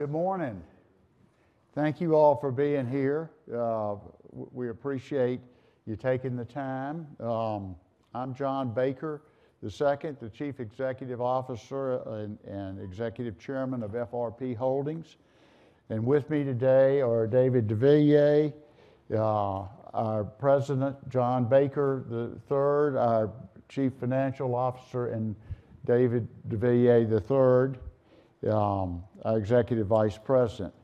Good morning. Thank you all for being here. We appreciate you taking the time. I'm John Baker II, the Chief Executive Officer, and Executive Chairman of FRP Holdings. With me today are David deVilliers, our President, John Baker III, our Chief Financial Officer, and David deVilliers III, our Executive Vice President.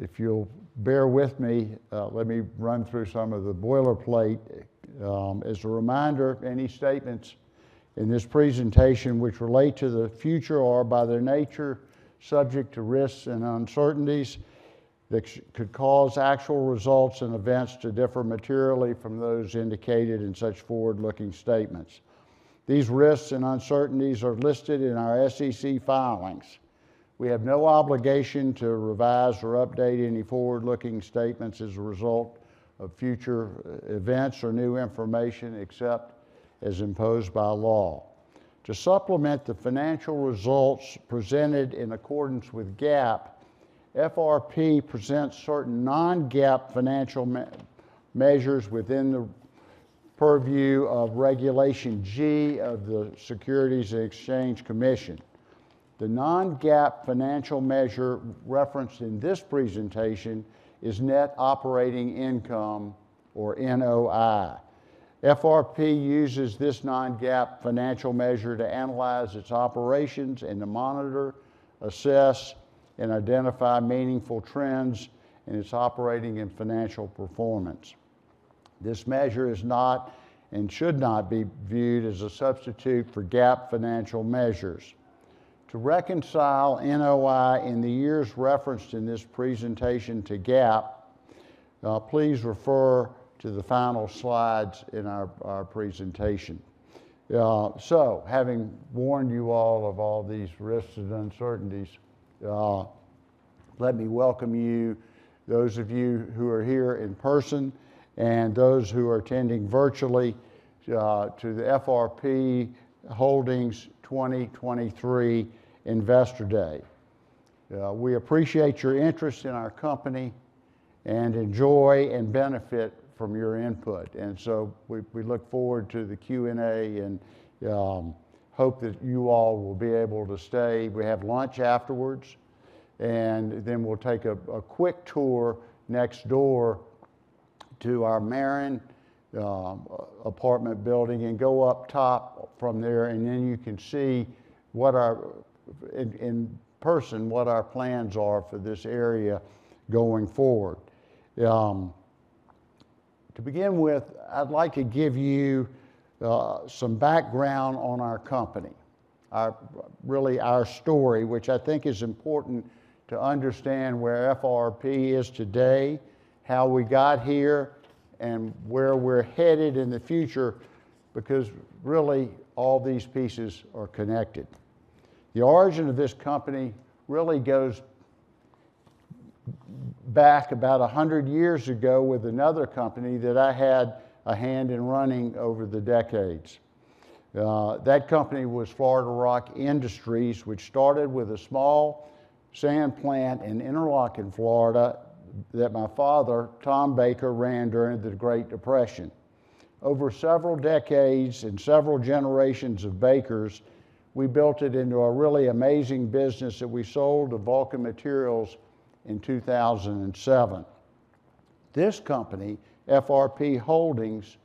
If you'll bear with me, let me run through some of the boilerplate. As a reminder, any statements in this presentation which relate to the future are, by their nature, subject to risks and uncertainties which could cause actual results and events to differ materially from those indicated in such forward-looking statements. These risks and uncertainties are listed in our SEC filings. We have no obligation to revise or update any forward-looking statements as a result of future events or new information, except as imposed by law. To supplement the financial results presented in accordance with GAAP, FRP presents certain non-GAAP financial measures within the purview of Regulation G of the Securities and Exchange Commission. The non-GAAP financial measure referenced in this presentation is net operating income, or NOI. FRP uses this non-GAAP financial measure to analyze its operations and to monitor, assess, and identify meaningful trends in its operating and financial performance. This measure is not, and should not be, viewed as a substitute for GAAP financial measures. To reconcile NOI in the years referenced in this presentation to GAAP, please refer to the final slides in our presentation. So having warned you all of all these risks and uncertainties, let me welcome you, those of you who are here in person and those who are attending virtually, to the FRP Holdings 2023 Investor Day. We appreciate your interest in our company and enjoy and benefit from your input, and we look forward to the Q&A and hope that you all will be able to stay. We have lunch afterwards, and then we'll take a quick tour next door to our Maren apartment building, and go up top from there, and then you can see in person what our plans are for this area going forward. To begin with, I'd like to give you some background on our company. Our, really, our story, which I think is important to understand where FRP is today, how we got here, and where we're headed in the future, because really, all these pieces are connected. The origin of this company really goes back about 100 years ago with another company that I had a hand in running over the decades. That company was Florida Rock Industries, which started with a small sand plant in Interlachen, Florida, that my father, Tom Baker, ran during the Great Depression. Over several decades and several generations of Bakers, we built it into a really amazing business that we sold to Vulcan Materials in 2007. This company, FRP Holdings,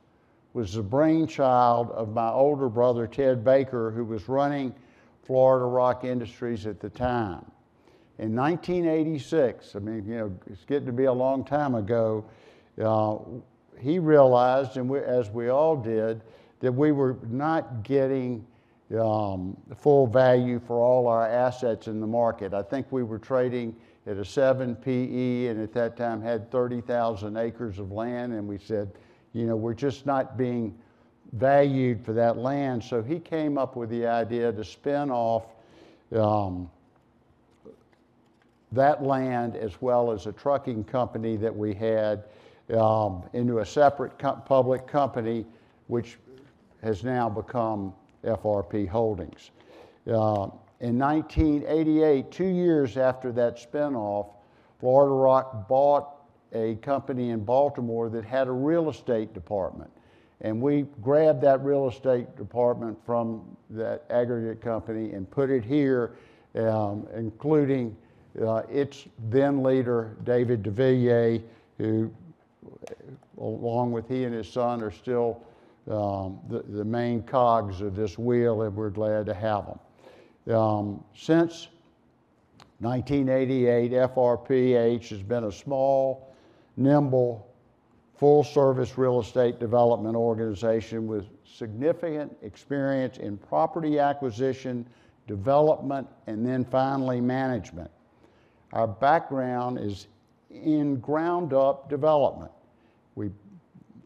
was the brainchild of my older brother, Ted Baker, who was running Florida Rock Industries at the time. In 1986, I mean, you know, it's getting to be a long time ago, he realized, and we, as we all did, that we were not getting the full value for all our assets in the market. I think we were trading at a 7 PE, and at that time, had 30,000 acres of land, and we said, "You know, we're just not being valued for that land." He came up with the idea to spin off that land, as well as a trucking company that we had, into a separate public company, which has now become FRP Holdings. In 1988, two years after that spin-off, Florida Rock bought a company in Baltimore that had a real estate department, and we grabbed that real estate department from that aggregate company and put it here, including its then leader, David deVilliers, who, along with he and his son, are still the main cogs of this wheel, and we're glad to have them. Since 1988, FRPH has been a small, nimble, full-service real estate development organization with significant experience in property acquisition, development, and then finally, management. Our background is in ground-up development.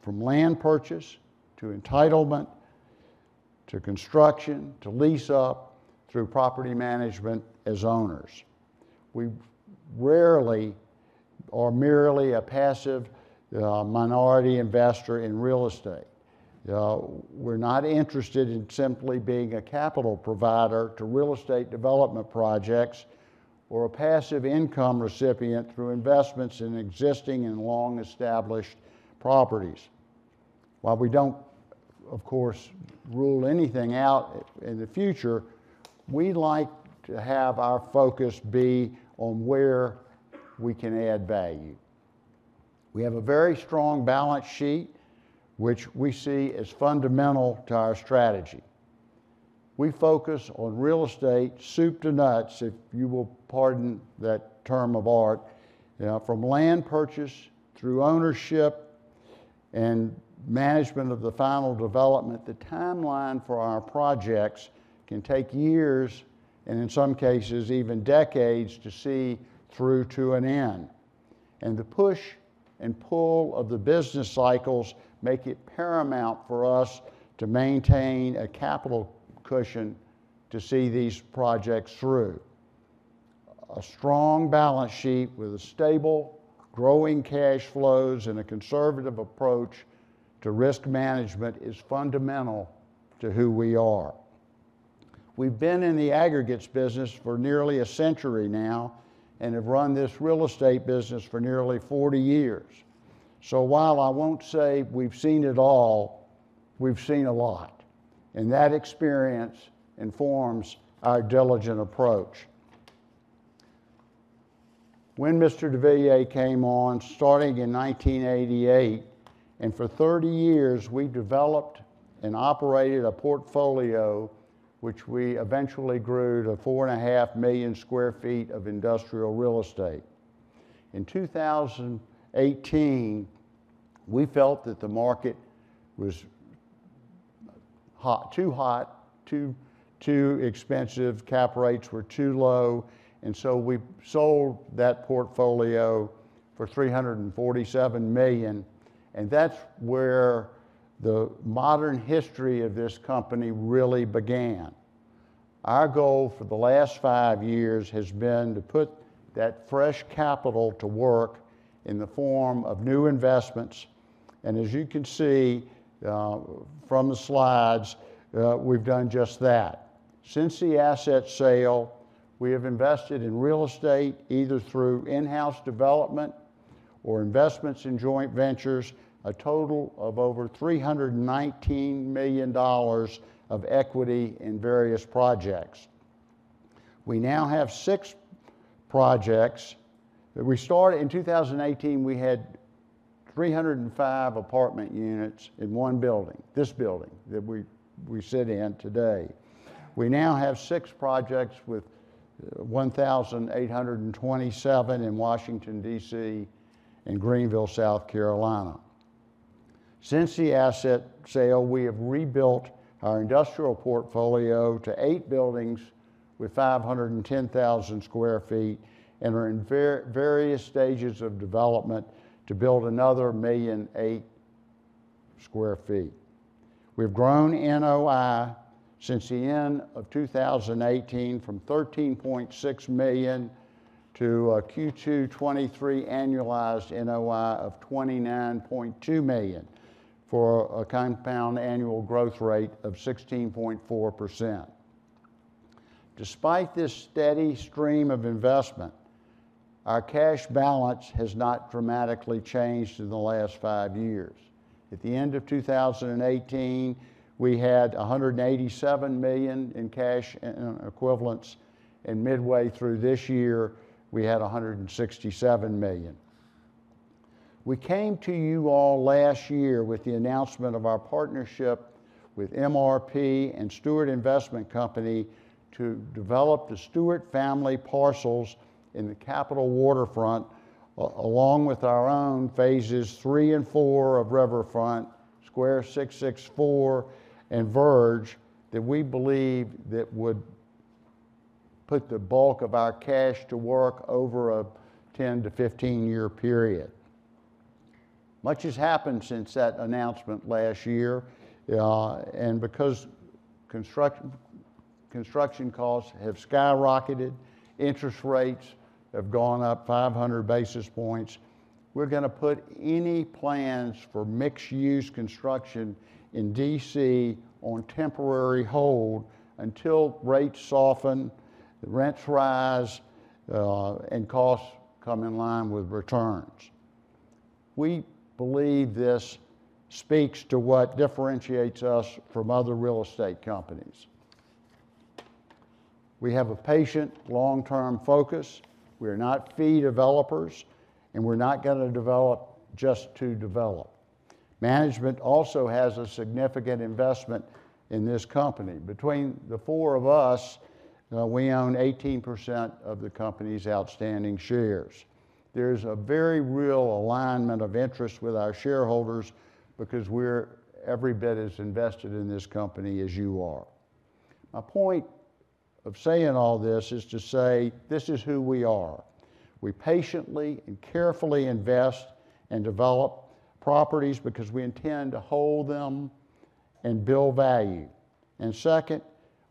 From land purchase, to entitlement, to construction, to lease-up, through property management as owners. We've rarely or merely a passive minority investor in real estate. We're not interested in simply being a capital provider to real estate development projects or a passive income recipient through investments in existing and long-established properties. While we don't, of course, rule anything out in the future, we'd like to have our focus be on where we can add value. We have a very strong balance sheet, which we see as fundamental to our strategy. We focus on real estate, soup to nuts, if you will pardon that term of art, from land purchase through ownership and management of the final development. The timeline for our projects can take years, and in some cases, even decades, to see through to an end. The push and pull of the business cycles make it paramount for us to maintain a capital cushion to see these projects through. A strong balance sheet with stable, growing cash flows and a conservative approach to risk management is fundamental to who we are. We've been in the aggregates business for nearly a century now and have run this real estate business for nearly 40 years. So while I won't say we've seen it all, we've seen a lot, and that experience informs our diligent approach. When Mr. DeVilliers came on, starting in 1988, and for 30 years, we developed and operated a portfolio which we eventually grew to 4.5 million sq ft of industrial real estate. In 2018, we felt that the market was hot, too hot, too expensive, cap rates were too low, and we sold that portfolio for $347 million, and that's where the modern history of this company really began. Our goal for the last five years has been to put that fresh capital to work in the form of new investments, and as you can see, from the slides, we've done just that. Since the asset sale, we have invested in real estate, either through in-house development or investments in joint ventures, a total of over $319 million of equity in various projects. We now have six projects. When we started in 2018, we had 305 apartment units in one building, this building that we sit in today. We now have six projects with 1,827 in Washington, D.C., and Greenville, South Carolina. Since the asset sale, we have rebuilt our industrial portfolio to eight buildings with 510,000 sq ft and are in various stages of development to build another 1.8 million sq ft. We've grown NOI since the end of 2018 from $13.6 million to a Q2 2023 annualized NOI of $29.2 million, for a compound annual growth rate of 16.4%. Despite this steady stream of investment, our cash balance has not dramatically changed in the last 5 years. At the end of 2018, we had $187 million in cash equivalents, and midway through this year, we had $167 million. We came to you all last year with the announcement of our partnership with MRP and Steuart Investment Company to develop the Steuart family parcels in the Capitol Waterfront, along with our own Phases III and IV of Riverfront, Square 664 E, and Verge, that we believe that would put the bulk of our cash to work over a 10-15-year period. Much has happened since that announcement last year, and because construction costs have skyrocketed, interest rates have gone up 500 basis points, we're gonna put any plans for mixed-use construction in D.C. on temporary hold until rates soften, rents rise, and costs come in line with returns. We believe this speaks to what differentiates us from other real estate companies. We have a patient, long-term focus, we're not fee developers, and we're not gonna develop just to develop. Management also has a significant investment in this company. Between the four of us, we own 18% of the company's outstanding shares. There's a very real alignment of interest with our shareholders because we're every bit as invested in this company as you are. My point of saying all this is to say this is who we are. We patiently and carefully invest and develop properties because we intend to hold them and build value. Second,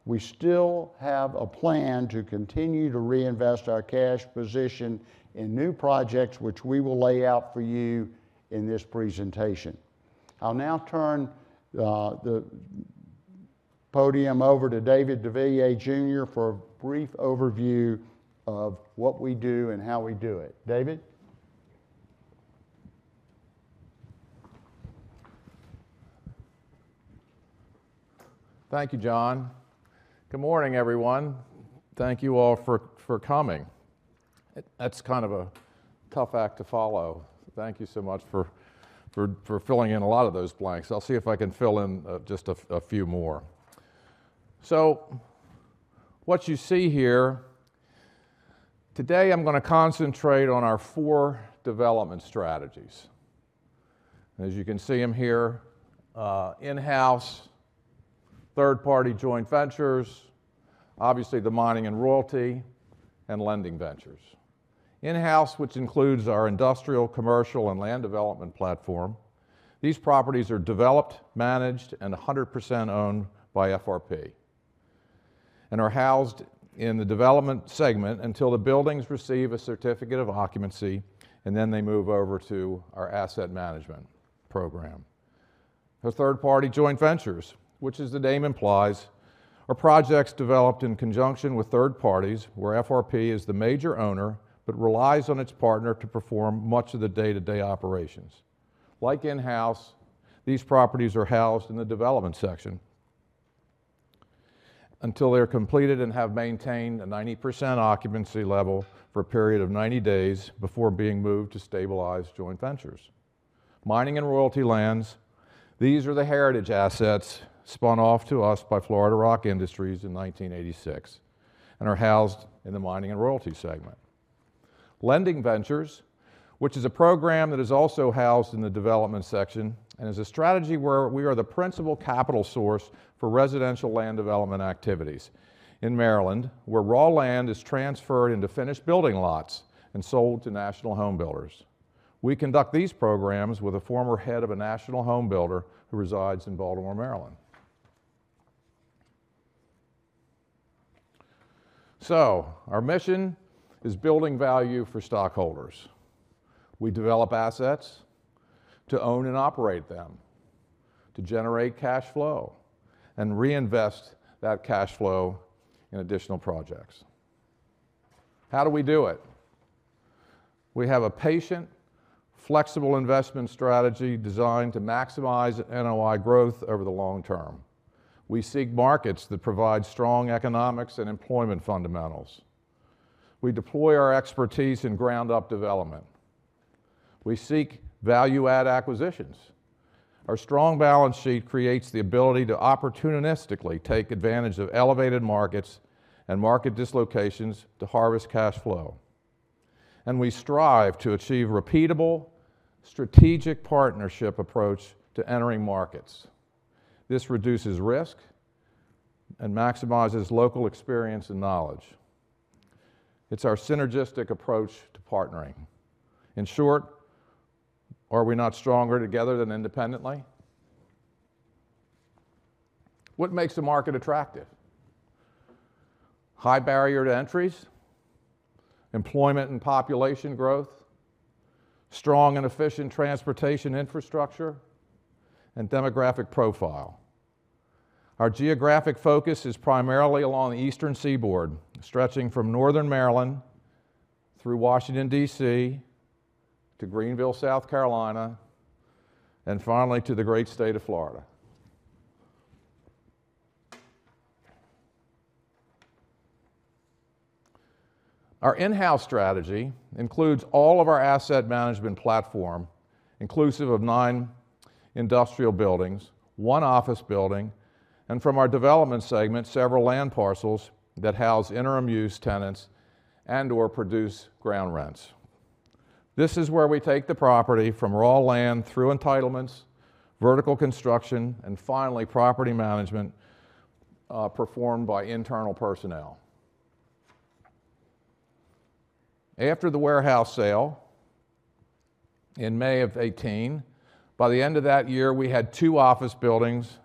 we still have a plan to continue to reinvest our cash position in new projects, which we will lay out for you in this presentation. I'll now turn the podium over to David deVilliers Jr. For a brief overview of what we do and how we do it. David? Thank you, John. Good morning, everyone. Thank you all for, for coming. That's kind of a tough act to follow. Thank you so much for, for, for filling in a lot of those blanks. I'll see if I can fill in, just a, a few more. What you see here, today I'm gonna concentrate on our four development strategies. As you can see them here, in-house, third-party joint ventures, obviously the mining and royalty, and lending ventures. In-house, which includes our industrial, commercial, and land development platform, these properties are developed, managed, and 100% owned by FRP, and are housed in the development segment until the buildings receive a certificate of occupancy, and then they move over to our asset management program. The third-party joint ventures, which as the name implies, are projects developed in conjunction with third parties, where FRP is the major owner, but relies on its partner to perform much of the day-to-day operations. Like in-house, these properties are housed in the development section until they are completed and have maintained a 90% occupancy level for a period of 90 days before being moved to stabilized joint ventures. Mining and royalty lands, these are the heritage assets spun off to us by Florida Rock Industries in 1986, and are housed in the mining and royalty segment. Lending ventures, which is a program that is also housed in the development section, and is a strategy where we are the principal capital source for residential land development activities in Maryland, where raw land is transferred into finished building lots and sold to national home builders. We conduct these programs with a former head of a national home builder who resides in Baltimore, Maryland. So our mission is building value for stockholders. We develop assets to own and operate them, to generate cash flow, and reinvest that cash flow in additional projects. How do we do it? We have a patient, flexible investment strategy designed to maximize NOI growth over the long term. We seek markets that provide strong economics and employment fundamentals. We deploy our expertise in ground-up development. We seek Value-Add acquisitions. Our strong balance sheet creates the ability to opportunistically take advantage of elevated markets and market dislocations to harvest cash flow. We strive to achieve repeatable, strategic partnership approach to entering markets. This reduces risk and maximizes local experience and knowledge. It's our synergistic approach to partnering. In short, are we not stronger together than independently? What makes a market attractive? High barrier to entries, employment and population growth, strong and efficient transportation infrastructure, and demographic profile. Our geographic focus is primarily along the eastern seaboard, stretching from northern Maryland through Washington, D.C., to Greenville, South Carolina, and finally to the great state of Florida. Our in-house strategy includes all of our asset management platform, inclusive of nine industrial buildings, one office building, and from our development segment, several land parcels that house interim use tenants and/or produce ground rents. This is where we take the property from raw land through entitlements, vertical construction, and finally, property management, performed by internal personnel. After the warehouse sale in May of 2018, by the end of that year, we had two office buildings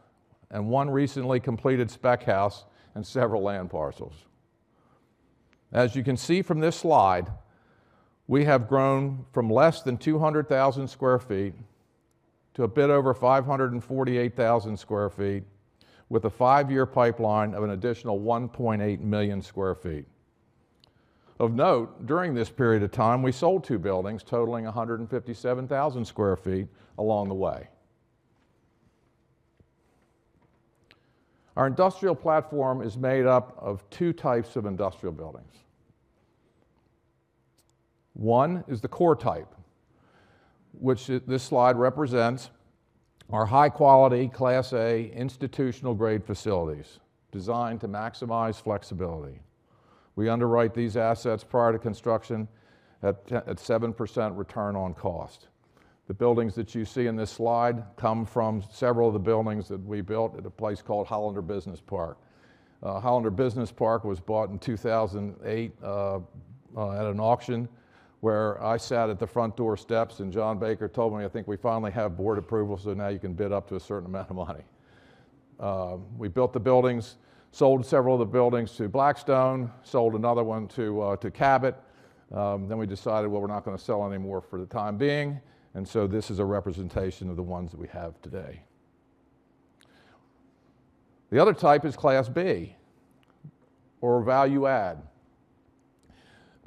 and 1 recently completed spec house and several land parcels. As you can see from this slide, we have grown from less than 200,000 sq ft to a bit over 548,000 sq ft, with a five-year pipeline of an additional 1.8 million sq ft. Of note, during this period of time, we sold two buildings totaling 157,000 sq ft along the way. Our industrial platform is made up of two types of industrial buildings. One is the core type, which this slide represents our high-quality, Class A, institutional-grade facilities designed to maximize flexibility. We underwrite these assets prior to construction at 7% return on cost. The buildings that you see in this slide come from several of the buildings that we built at a place called Hollander Business Park. Hollander Business Park was bought in 2008. At an auction where I sat at the front door steps, and John Baker told me, "I think we finally have board approval, so now you can bid up to a certain amount of money." We built the buildings, sold several of the buildings to Blackstone, sold another one to Cabot. Then we decided, well, we're not gonna sell any more for the time being, and so this is a representation of the ones that we have today. The other type is Class B or value-add.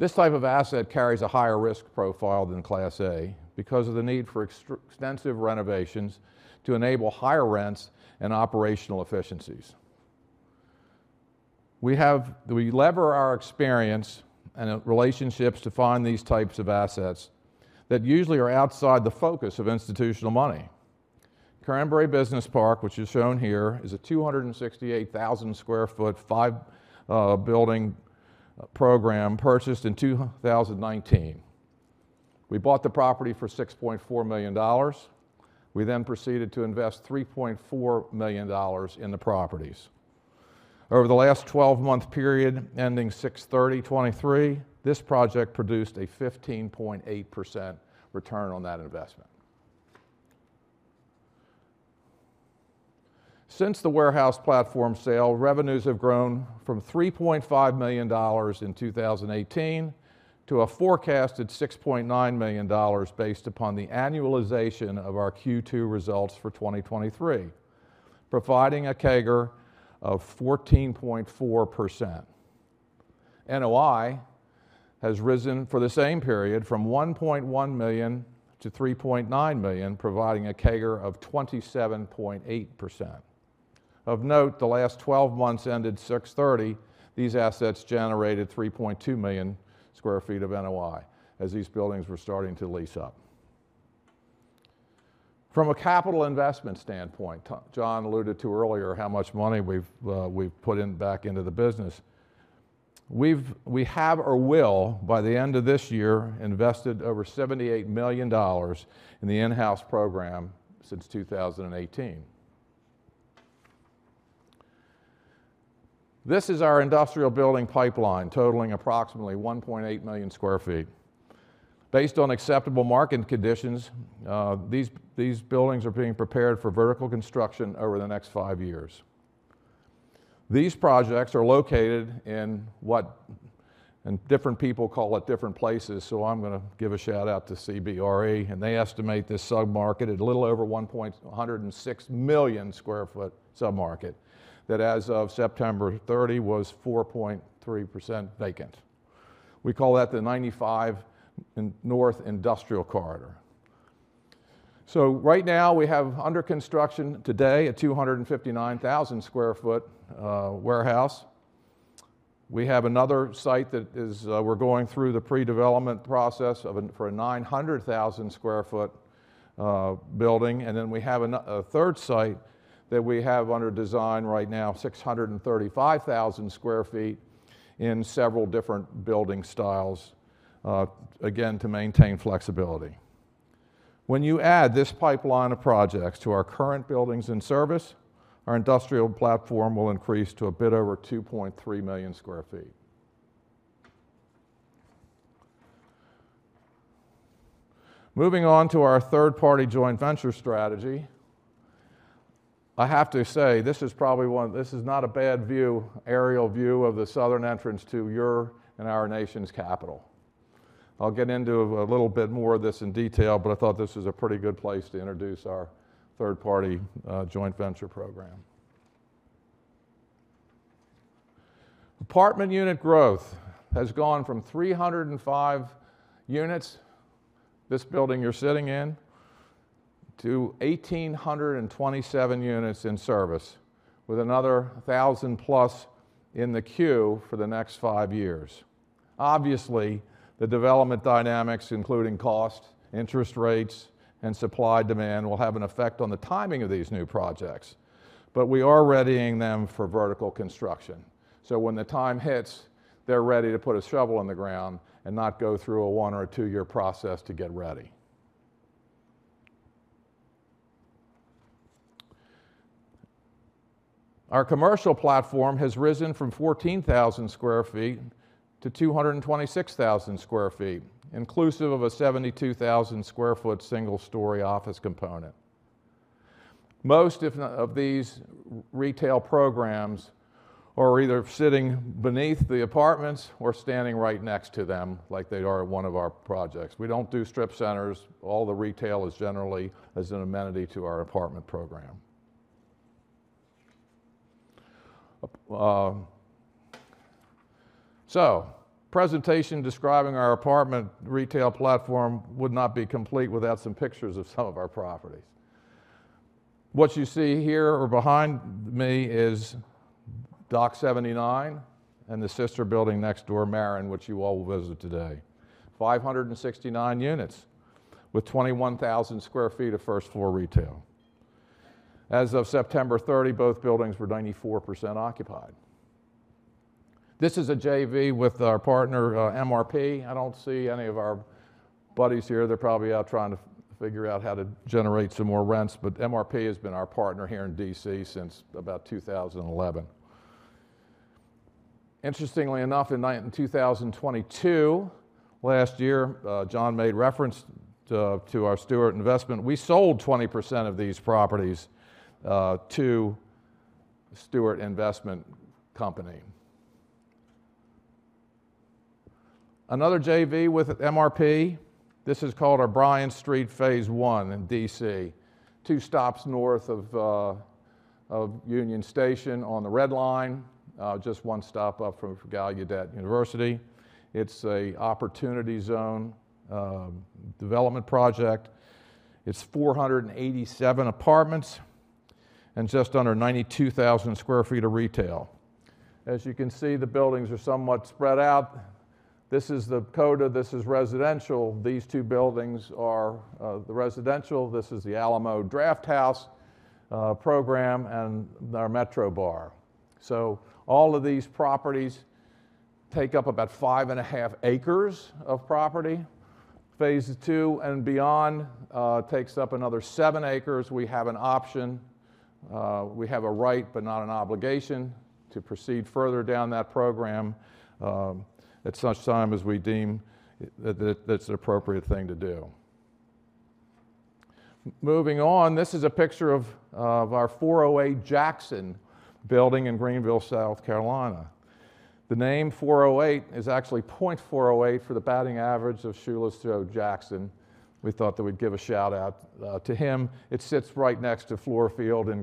This type of asset carries a higher risk profile than Class A because of the need for extensive renovations to enable higher rents and operational efficiencies. We leverage our experience and relationships to find these types of assets that usually are outside the focus of institutional money. Cranberry Business Park, which is shown here, is a 268,000 sq ft, five building program purchased in 2019. We bought the property for $6.4 million. We then proceeded to invest $3.4 million in the properties. Over the last 12-month period, ending June 30, 2023, this project produced a 15.8% return on that investment. Since the warehouse platform sale, revenues have grown from $3.5 million in 2018 to a forecasted $6.9 million, based upon the annualization of our Q2 results for 2023, providing a CAGR of 14.4%. NOI has risen for the same period from $1.1 million to $3.9 million, providing a CAGR of 27.8%. Of note, the last twelve months ended June 30, these assets generated $3.2 million of NOI, as these buildings were starting to lease up. From a capital investment standpoint, John alluded to earlier how much money we've put back into the business. We have or will, by the end of this year, invested over $78 million in the in-house program since 2018. This is our industrial building pipeline, totaling approximately 1.8 million sq ft. Based on acceptable market conditions, these buildings are being prepared for vertical construction over the next five years. These projects are located in what and different people call it different places, so I'm gonna give a shout-out to CBRE, and they estimate this submarket at a little over 106 million sq ft submarket, that as of September 30, was 4.3% vacant. We call that the 95 North Industrial Corridor. So right now, we have under construction today, a 259,000 sq ft warehouse. We have another site that is, we're going through the pre-development process for a 900,000 sq ft building, and then we have a third site that we have under design right now, 635,000 sq ft in several different building styles, again, to maintain flexibility. When you add this pipeline of projects to our current buildings in service, our industrial platform will increase to a bit over 2.3 million sq ft. Moving on to our third-party joint venture strategy, I have to say this is probably one, this is not a bad view, aerial view of the southern entrance to your and our nation's capital. I'll get into a little bit more of this in detail, but I thought this was a pretty good place to introduce our third-party, joint venture program. Apartment unit growth has gone from 305 units, this building you're sitting in, to 1,827 units in service, with another 1,000+ in the queue for the next five years. Obviously, the development dynamics, including cost, interest rates, and supply-demand, will have an effect on the timing of these new projects, but we are readying them for vertical construction. So when the time hits, they're ready to put a shovel in the ground and not go through a one or a two-year process to get ready. Our commercial platform has risen from 14,000 sq ft to 226,000 sq ft, inclusive of a 72,000 sq ft single-story office component. Most of these retail programs are either sitting beneath the apartments or standing right next to them like they are at one of our projects. We don't do strip centers. All the retail is generally as an amenity to our apartment program. So presentation describing our apartment retail platform would not be complete without some pictures of some of our properties. What you see here or behind me is Dock 79 and the sister building next door, Maren, which you all will visit today. 569 units with 21,000 sq ft of first floor retail. As of September 30, both buildings were 94% occupied. This is a JV with our partner, MRP. I don't see any of our buddies here, they're probably out trying to figure out how to generate some more rents, but MRP has been our partner here in D.C. since about 2011. Interestingly enough, in nine, in 2022, last year, John made reference to, to our Steuart Investment. We sold 20% of these properties, to Steuart Investment Company. Another JV with MRP, this is called our Bryant Street, Phase One in D.C. Two stops north of, of Union Station on the Red Line, just one stop up from Gallaudet University. It's an Opportunity Zone development project. It's 487 apartments and just under 92,000 sq ft of retail. As you can see, the buildings are somewhat spread out. This is the total. This is residential. These two buildings are the residential. This is the Alamo Drafthouse program and our Metro Bar. All of these properties take up about five and a half acres of property. Phase Two and beyond takes up another seven acres. We have an option, we have a right, but not an obligation to proceed further down that program at such time as we deem that that's an appropriate thing to do. Moving on, this is a picture of our 408 Jackson building in Greenville, South Carolina. The name 408 is actually .408 for the batting average of Shoeless Joe Jackson. We thought that we'd give a shout-out to him. It sits right next to Fluor Field in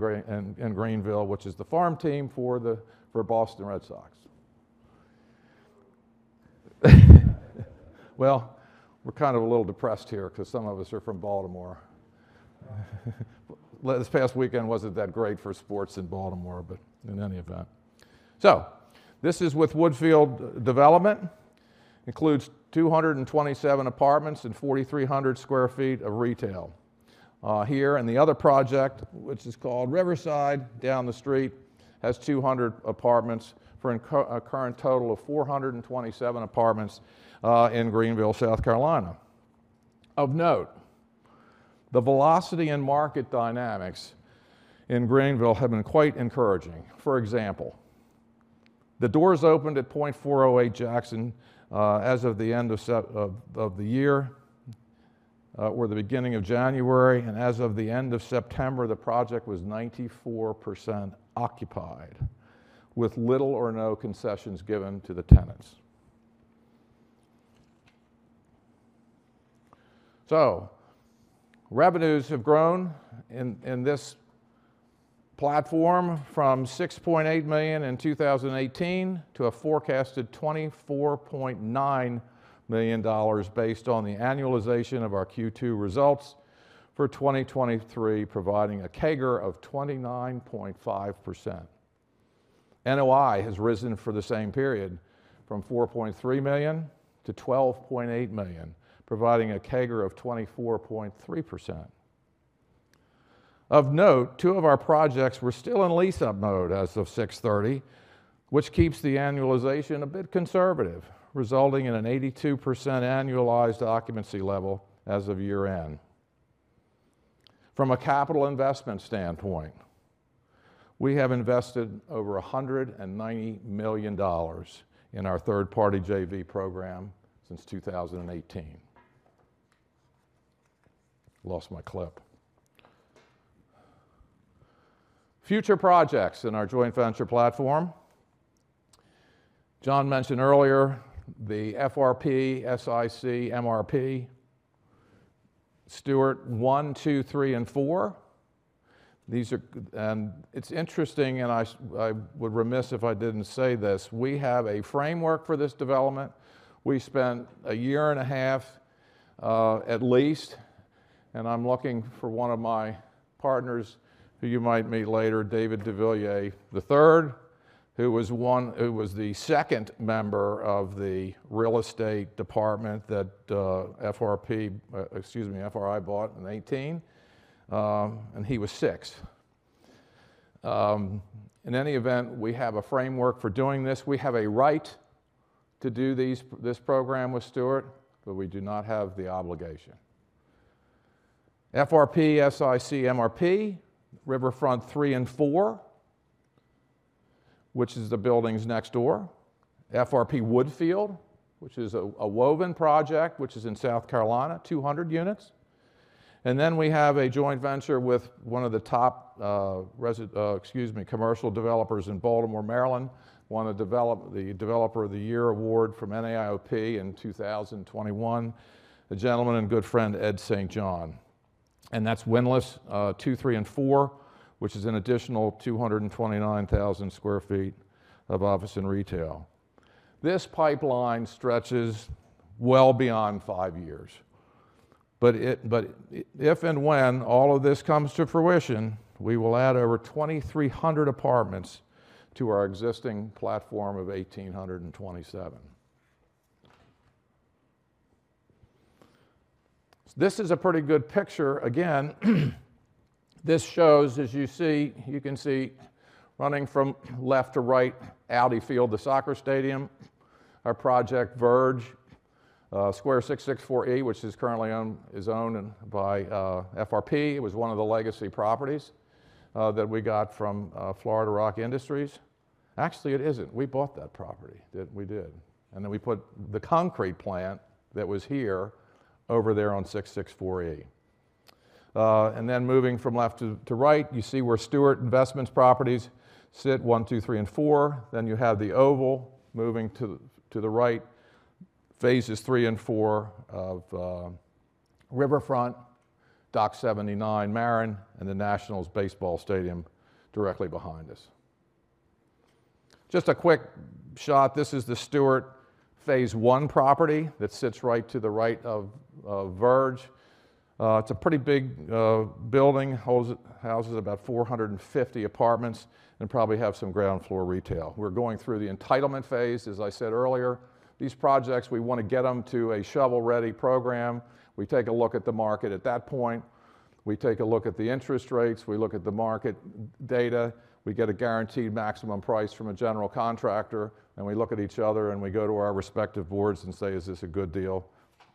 Greenville, which is the farm team for the Boston Red Sox. Well, we're kind of a little depressed here because some of us are from Baltimore. But last, this past weekend wasn't that great for sports in Baltimore, but in any event. So this is with Woodfield Development. Includes 227 apartments and 4,300 sq ft of retail. Here, and the other project, which is called Riverside, down the street, has 200 apartments for a current total of 427 apartments, in Greenville, South Carolina. Of note, the velocity and market dynamics in Greenville have been quite encouraging. For example, the doors opened at .408 Jackson, as of the end of September of the year or the beginning of January, and as of the end of September, the project was 94% occupied, with little or no concessions given to the tenants. So revenues have grown in this platform from $6.8 million in 2018 to a forecasted $24.9 million, based on the annualization of our Q2 results for 2023, providing a CAGR of 29.5%. NOI has risen for the same period from $4.3 million to $12.8 million, providing a CAGR of 24.3%. Of note, two of our projects were still in lease-up mode as of 6/30, which keeps the annualization a bit conservative, resulting in an 82% annualized occupancy level as of year-end. From a capital investment standpoint, we have invested over $190 million in our third-party JV program since 2018. Lost my clip. Future projects in our joint venture platform. John mentioned earlier the FRP, SIC, MRP, Steuart one, two, three, and four. These are and it's interesting, and I would be remiss if I didn't say this: we have a framework for this development. We spent a year and a half, at least, and I'm looking for one of my partners, who you might meet later, David deVilliers III, who was the second member of the real estate department that FRP, excuse me, FRI bought in 1986. In any event, we have a framework for doing this. We have a right to do this program with Steuart, but we do not have the obligation. FRP, SIC, MRP, Riverfront 3 and 4, which is the buildings next door. FRP Woodfield, which is a Woven project, which is in South Carolina, 200 units. And then we have a joint venture with one of the top commercial developers in Baltimore, Maryland. Won the Developer of the Year award from NAIOP in 2021. A gentleman and good friend, Ed St. John. That's Windlass 1, 2, 3, and 4, which is an additional 229,000 sq ft of office and retail. This pipeline stretches well beyond five years, but if and when all of this comes to fruition, we will add over 2,300 apartments to our existing platform of 1,827. This is a pretty good picture, again,... This shows, as you see, you can see running from left to right, Audi Field, the soccer stadium, our project Verge, Square 664 E, which is currently owned by FRP. It was one of the legacy properties that we got from Florida Rock Industries. Actually, it isn't. We bought that property. That we did, and then we put the concrete plant that was here over there on 664 E. And then moving from left to right, you see where Steuart Investments properties sit, one, two, three, and four. Then you have The Oval. Moving to the right, phases three and four of Riverfront, Dock 79, The Maren, and the Nationals Baseball Stadium directly behind us. Just a quick shot. This is the Steuart phase one property that sits right to the right of Verge. It's a pretty big building. Houses about 450 apartments and probably have some ground floor retail. We're going through the entitlement phase. As I said earlier, these projects, we want to get them to a shovel-ready program. We take a look at the market at that point, we take a look at the interest rates, we look at the market data, we get a guaranteed maximum price from a general contractor, and we look at each other and we go to our respective boards and say, "Is this a good deal?"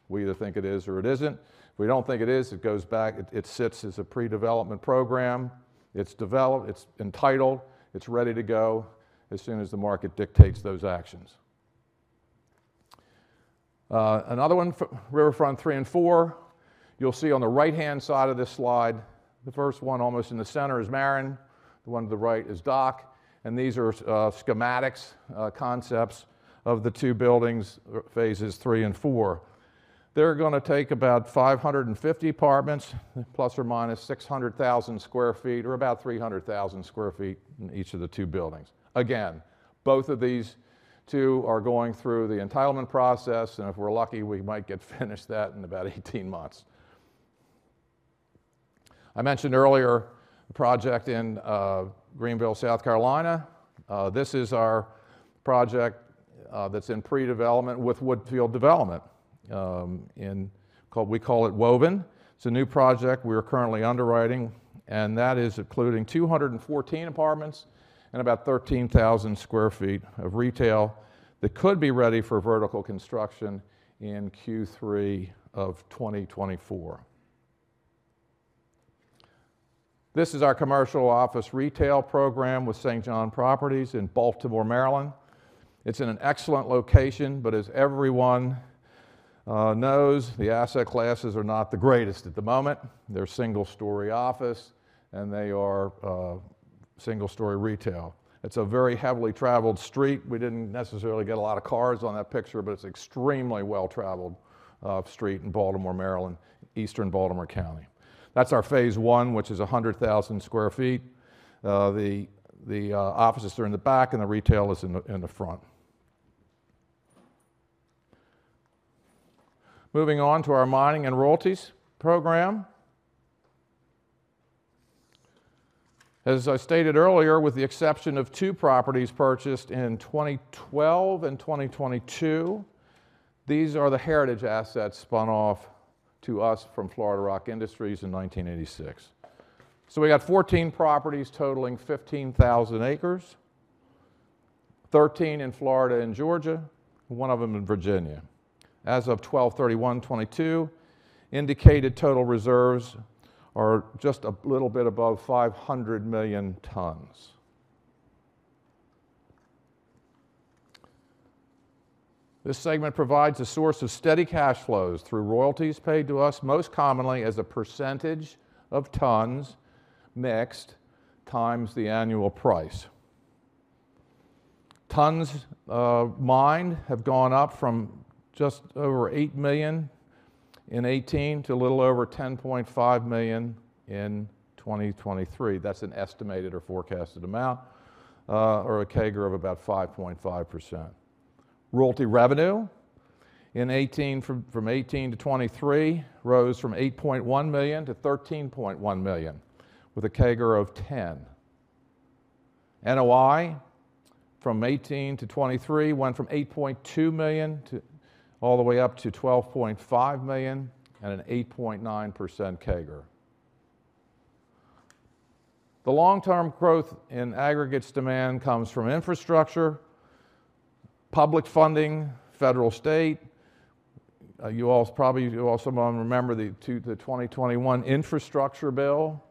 We either think it is or it isn't. If we don't think it is, it goes back. It sits as a pre-development program. It's developed, it's entitled, it's ready to go as soon as the market dictates those actions. Another one, Riverfront three and four, you'll see on the right-hand side of this slide, the first one almost in the center is Maren, the one to the right is Dock, and these are schematics, concepts of the two buildings, phases three and four. They're gonna take about 550 apartments, plus or minus 600,000 sq ft, or about 300,000 sq ft in each of the two buildings. Again, both of these two are going through the entitlement process, and if we're lucky, we might get finished that in about 18 months. I mentioned earlier a project in Greenville, South Carolina. This is our project that's in pre-development with Woodfield Development, called, we call it Woven. It's a new project we are currently underwriting, and that is including 214 apartments and about 13,000 sq ft of retail that could be ready for vertical construction in Q3 of 2024. This is our commercial office retail program with St. John Properties in Baltimore, Maryland. It's in an excellent location, but as everyone knows, the asset classes are not the greatest at the moment. They're single-story office, and they are single-story retail. It's a very heavily traveled street. We didn't necessarily get a lot of cars on that picture, but it's extremely well traveled street in Baltimore, Maryland, Eastern Baltimore County. That's our phase one, which is 100,000 sq ft. The offices are in the back, and the retail is in the front. Moving on to our mining and royalties program. As I stated earlier, with the exception of two properties purchased in 2012 and 2022, these are the heritage assets spun off to us from Florida Rock Industries in 1986. So we got 14 properties totaling 15,000 acres, 13 in Florida and Georgia, one of them in Virginia. As of 12/31/2022, indicated total reserves are just a little bit above 500 million tons. This segment provides a source of steady cash flows through royalties paid to us, most commonly as a percentage of tons mixed, times the annual price. Tons of mine have gone up from just over 8 million in 2018 to little over 10.5 million in 2023. That's an estimated or forecasted amount, or a CAGR of about 5.5%. Royalty revenue in 2018, from 2018-2023, rose from $8.1 million to $13.1 million, with a CAGR of 10%. NOI from 2018-2023, went from $8.2 million to all the way up to $12.5 million at an 8.9% CAGR. The long-term growth in aggregates demand comes from infrastructure, public funding, federal state. You all probably, some of them remember the 2021 infrastructure bill,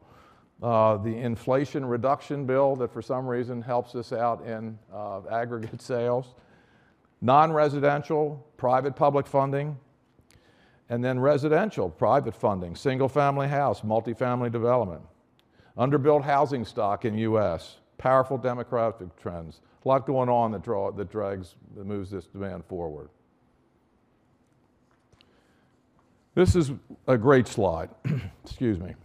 the Inflation Reduction Bill, that for some reason helps us out in aggregate sales, non-residential, private-public funding, and then residential private funding, single-family house, multifamily development, under-built housing stock in the U.S., powerful democratic trends. A lot going on that drags, that moves this demand forward. This is a great slide. Excuse me.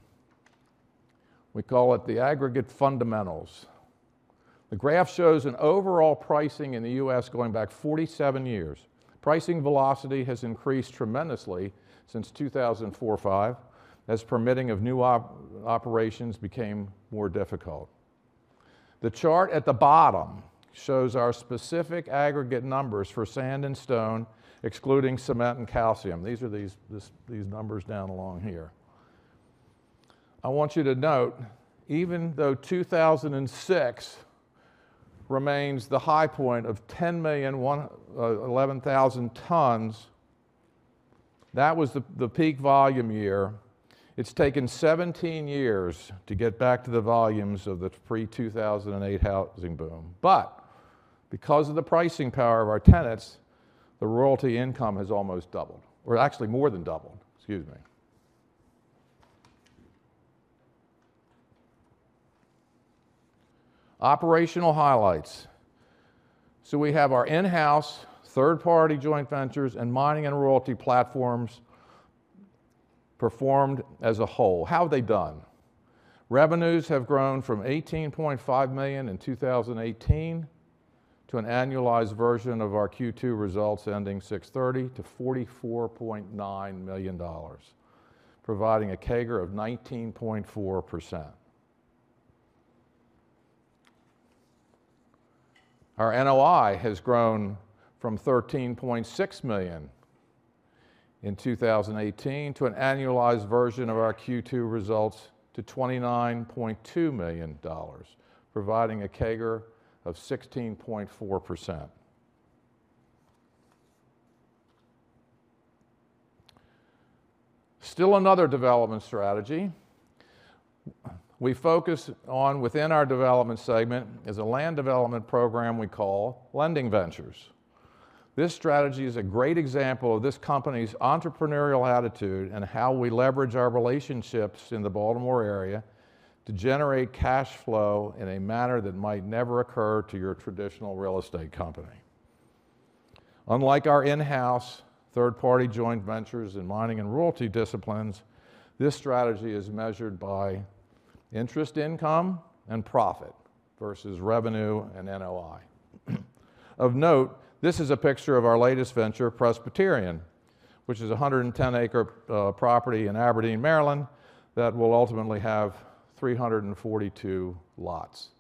We call it the aggregate fundamentals. The graph shows an overall pricing in the U.S. going back 47 years. Pricing velocity has increased tremendously since 2004/5, as permitting of new operations became more difficult. The chart at the bottom shows our specific aggregate numbers for sand and stone, excluding cement and calcium. These are the numbers down along here. I want you to note, even though 2006 remains the high point of 10,111,000 tons, that was the, the peak volume year. It's taken 17 years to get back to the volumes of the pre-2008 housing boom. But because of the pricing power of our tenants, the royalty income has almost doubled, or actually more than doubled, excuse me. Operational highlights. So we have our in-house, third-party joint ventures, and mining and royalty platforms performed as a whole. How have they done? Revenues have grown from $18.5 million in 2018 to an annualized version of our Q2 results ending June 30 to $44.9 million, providing a CAGR of 19.4%. Our NOI has grown from $13.6 million in 2018 to an annualized version of our Q2 results to $29.2 million, providing a CAGR of 16.4%. Still another development strategy we focus on within our development segment is a land development program we call lending ventures. This strategy is a great example of this company's entrepreneurial attitude and how we leverage our relationships in the Baltimore area to generate cash flow in a manner that might never occur to your traditional real estate company. Unlike our in-house, third-party joint ventures in mining and royalty disciplines, this strategy is measured by interest income and profit versus revenue and NOI. Of note, this is a picture of our latest venture, Presberry, which is a 110-acre property in Aberdeen, Maryland, that will ultimately have 342 lots.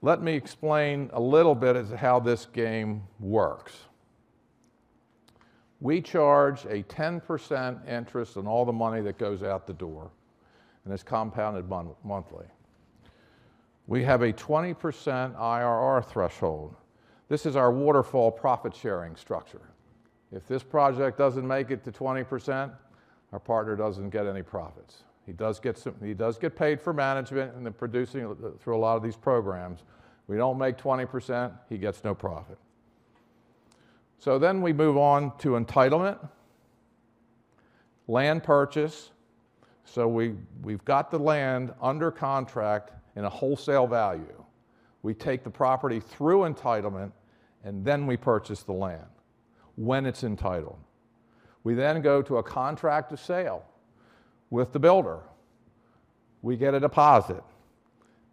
Let me explain a little bit as to how this game works. We charge a 10% interest on all the money that goes out the door, and it's compounded monthly. We have a 20% IRR threshold. This is our waterfall profit-sharing structure. If this project doesn't make it to 20%, our partner doesn't get any profits. He does get some—he does get paid for management and the producing through a lot of these programs. We don't make 20%, he gets no profit. We move on to entitlement, land purchase. We, we've got the land under contract in a wholesale value. We take the property through entitlement, and then we purchase the land when it's entitled. We then go to a contract to sale with the builder. We get a deposit,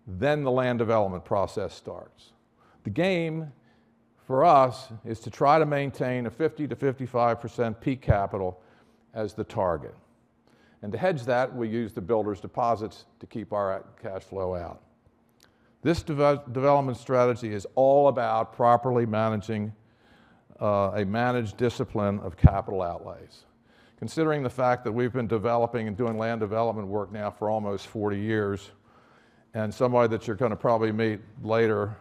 then the land development process starts. The game for us is to try to maintain a 50%-55% peak capital as the target, and to hedge that, we use the builders' deposits to keep our cash flow out. This development strategy is all about properly managing a managed discipline of capital outlays. Considering the fact that we've been developing and doing land development work now for almost 40 years, and somebody that you're gonna probably meet later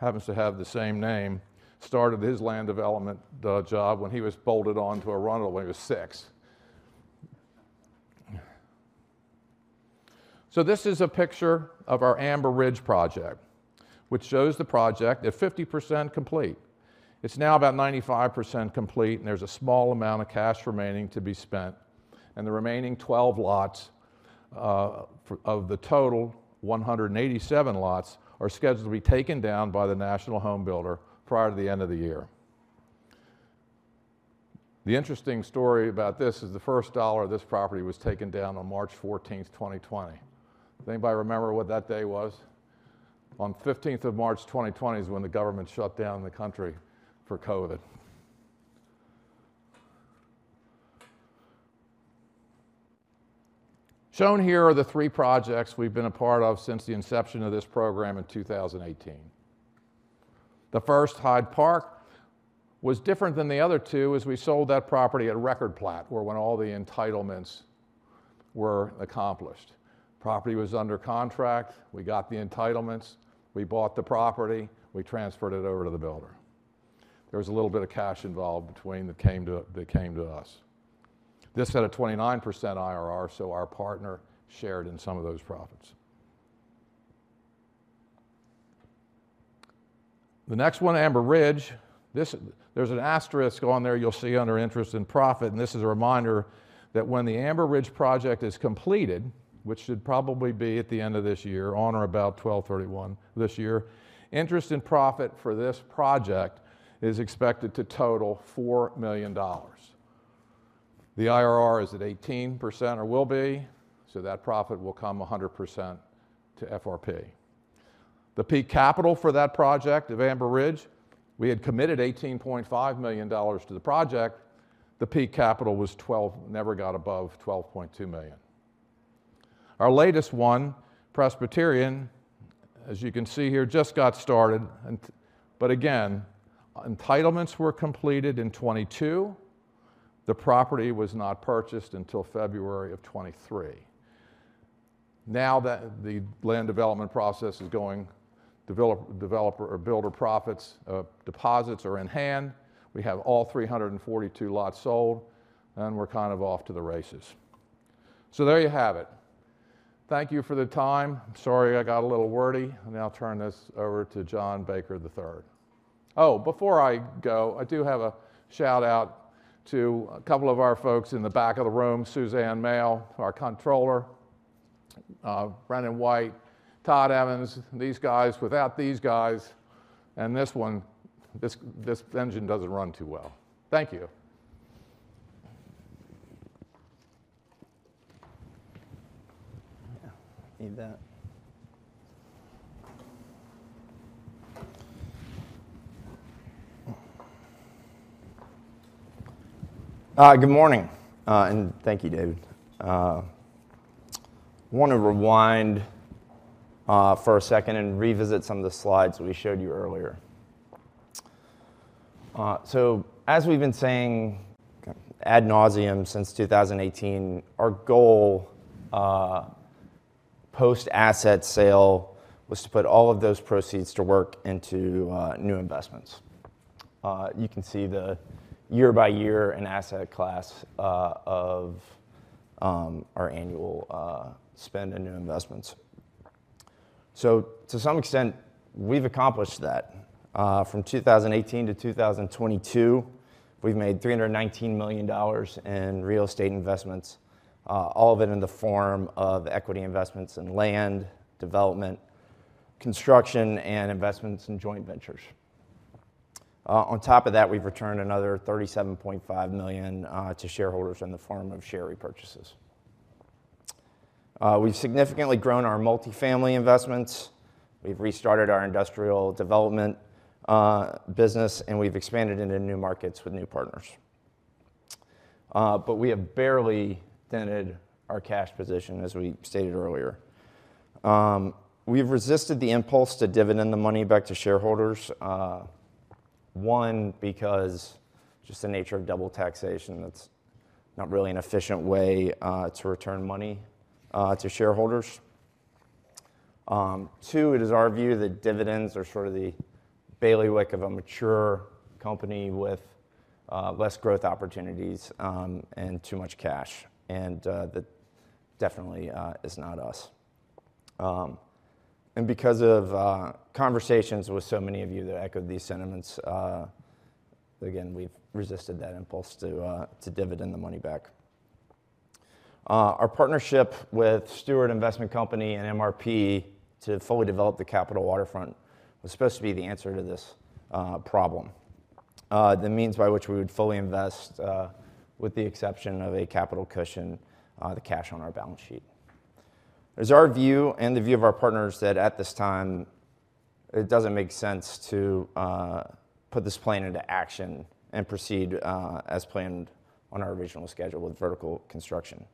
happens to have the same name, started his land development job when he was bolted onto a runway when he was 6. So this is a picture of our Amber Ridge project, which shows the project at 50% complete. It's now about 95% complete, and there's a small amount of cash remaining to be spent, and the remaining 12 lots, of the total 187 lots, are scheduled to be taken down by the national home builder prior to the end of the year. The interesting story about this is the first dollar of this property was taken down on March fourteenth, 2020. Does anybody remember what that day was? On fifteenth of March 2020 is when the government shut down the country for COVID. Shown here are the three projects we've been a part of since the inception of this program in 2018. The first, Hyde Park, was different than the other two as we sold that property at record plat, where when all the entitlements were accomplished. Property was under contract, we got the entitlements, we bought the property, we transferred it over to the builder. There was a little bit of cash involved between that came to us. This had a 29% IRR, so our partner shared in some of those profits. The next one, Amber Ridge, there's an asterisk on there you'll see under interest and profit, and this is a reminder that when the Amber Ridge project is completed, which should probably be at the end of this year, on or about December 31 this year, interest and profit for this project is expected to total $4 million. The IRR is at 18% or will be, so that profit will come 100% to FRP. The peak capital for that project of Amber Ridge, we had committed $18.5 million to the project. The peak capital was $12 million, never got above $12.2 million. Our latest one, Presberry, as you can see here, just got started. But again, entitlements were completed in 2022. The property was not purchased until February of 2023. Now that the land development process is going, developer or builder profits, deposits are in hand. We have all 342 lots sold, and we're kind of off to the races. So there you have it. Thank you for the time. Sorry, I got a little wordy. I'll now turn this over to John Baker III. Oh, before I go, I do have a shout-out to a couple of our folks in the back of the room: Suzanne Mayes, our controller, Brandon White, Todd Evans, these guys. Without these guys and this one, this, this engine doesn't run too well. Thank you. Yeah, need that. Good morning, and thank you, David. I want to rewind, for a second and revisit some of the slides we showed you earlier. So as we've been saying ad nauseam since 2018, our goal, post-asset sale was to put all of those proceeds to work into, new investments. You can see the year by year and asset class, of, our annual, spend in new investments. So to some extent, we've accomplished that. From 2018-2022, we've made $319 million in real estate investments, all of it in the form of equity investments in land, development, construction, and investments in joint ventures. On top of that, we've returned another $37.5 million to shareholders in the form of share repurchases. We've significantly grown our multifamily investments, we've restarted our industrial development business, and we've expanded into new markets with new partners. But we have barely dented our cash position, as we stated earlier. We've resisted the impulse to dividend the money back to shareholders. One, because just the nature of double taxation, that's not really an efficient way to return money to shareholders. Two, it is our view that dividends are sort of the bailiwick of a mature company with less growth opportunities, and too much cash, and that definitely is not us. Because of conversations with so many of you that echoed these sentiments, again, we've resisted that impulse to dividend the money back. Our partnership with Steuart Investment Company and MRP to fully develop the Capitol Waterfront was supposed to be the answer to this problem, the means by which we would fully invest, with the exception of a capital cushion, the cash on our balance sheet. It's our view and the view of our partners that at this time, it doesn't make sense to put this plan into action and proceed, as planned on our original schedule with vertical construction.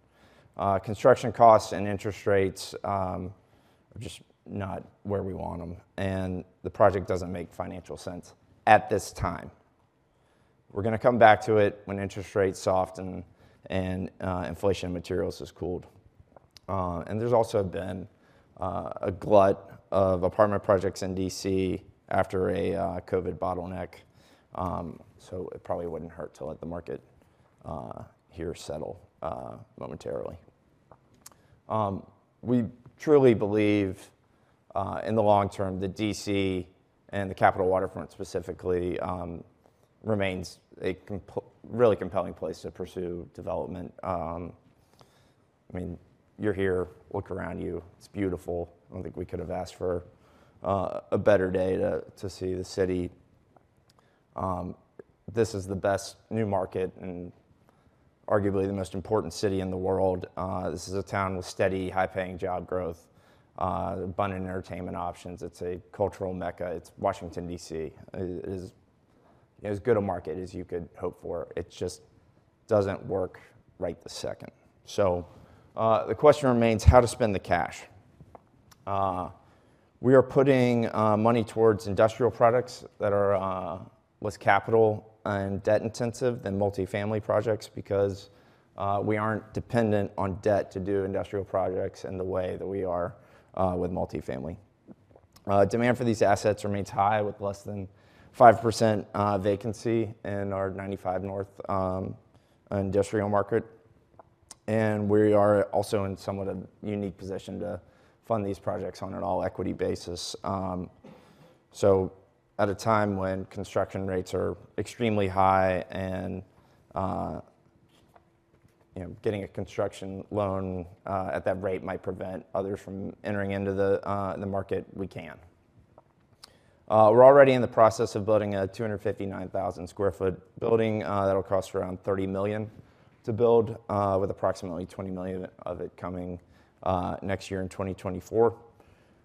Construction costs and interest rates are just not where we want them, and the project doesn't make financial sense at this time. We're gonna come back to it when interest rates soft and inflation materials has cooled. And there's also been a glut of apartment projects in D.C. after a COVID bottleneck, so it probably wouldn't hurt to let the market here settle momentarily. We truly believe in the long term, the D.C. and the Capital Waterfront specifically remains a really compelling place to pursue development. I mean, you're here, look around you. It's beautiful. I don't think we could have asked for a better day to see the city. This is the best new market and arguably the most important city in the world. This is a town with steady, high-paying job growth, abundant entertainment options. It's a cultural mecca. It's Washington, D.C. It is as good a market as you could hope for. It just doesn't work right this second. The question remains how to spend the cash. We are putting money towards industrial products that are less capital and debt-intensive than multifamily projects because we aren't dependent on debt to do industrial projects in the way that we are with multifamily. Demand for these assets remains high, with less than 5% vacancy in our 95 North industrial market, and we are also in somewhat a unique position to fund these projects on an all-equity basis. At a time when construction rates are extremely high and, you know, getting a construction loan at that rate might prevent others from entering into the market, we can... We're already in the process of building a 259,000 sq ft building, that'll cost around $30 million to build, with approximately $20 million of it coming next year in 2024.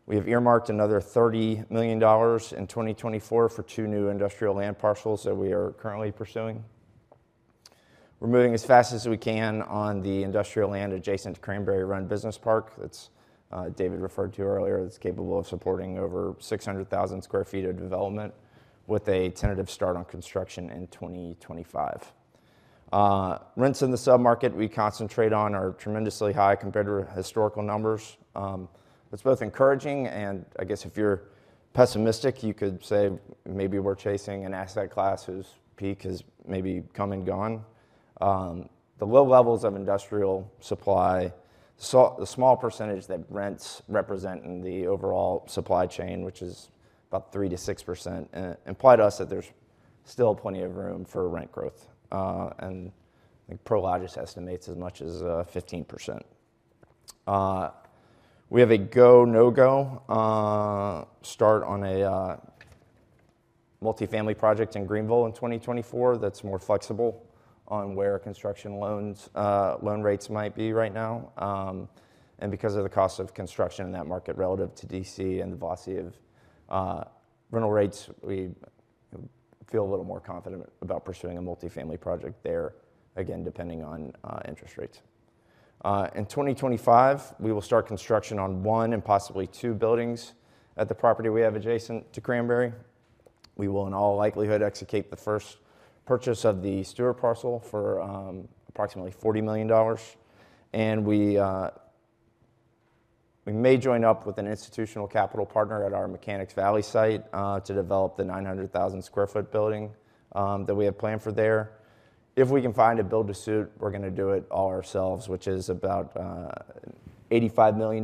We have earmarked another $30 million in 2024 for two new industrial land parcels that we are currently pursuing. We're moving as fast as we can on the industrial land adjacent to Cranberry Business Park, that's David referred to earlier. It's capable of supporting over 600,000 sq ft of development, with a tentative start on construction in 2025. Rents in the sub-market we concentrate on are tremendously high compared to historical numbers. It's both encouraging, and I guess if you're pessimistic, you could say maybe we're chasing an asset class whose peak has maybe come and gone. The low levels of industrial supply, so the small percentage that rents represent in the overall supply chain, which is about 3%-6%, imply to us that there's still plenty of room for rent growth, and I think Prologis estimates as much as 15%. We have a go, no-go start on a multifamily project in Greenville in 2024. That's more flexible on where construction loan rates might be right now. And because of the cost of construction in that market relative to D.C. and the velocity of rental rates, we feel a little more confident about pursuing a multifamily project there, again, depending on interest rates. In 2025, we will start construction on one and possibly two buildings at the property we have adjacent to Cranberry. We will, in all likelihood, execute the first purchase of the Steuart parcel for approximately $40 million. We may join up with an institutional capital partner at our Mechanics Valley site to develop the 900,000 sq ft building that we have planned for there. If we can find a build-to-suit, we're gonna do it all ourselves, which is about $85 million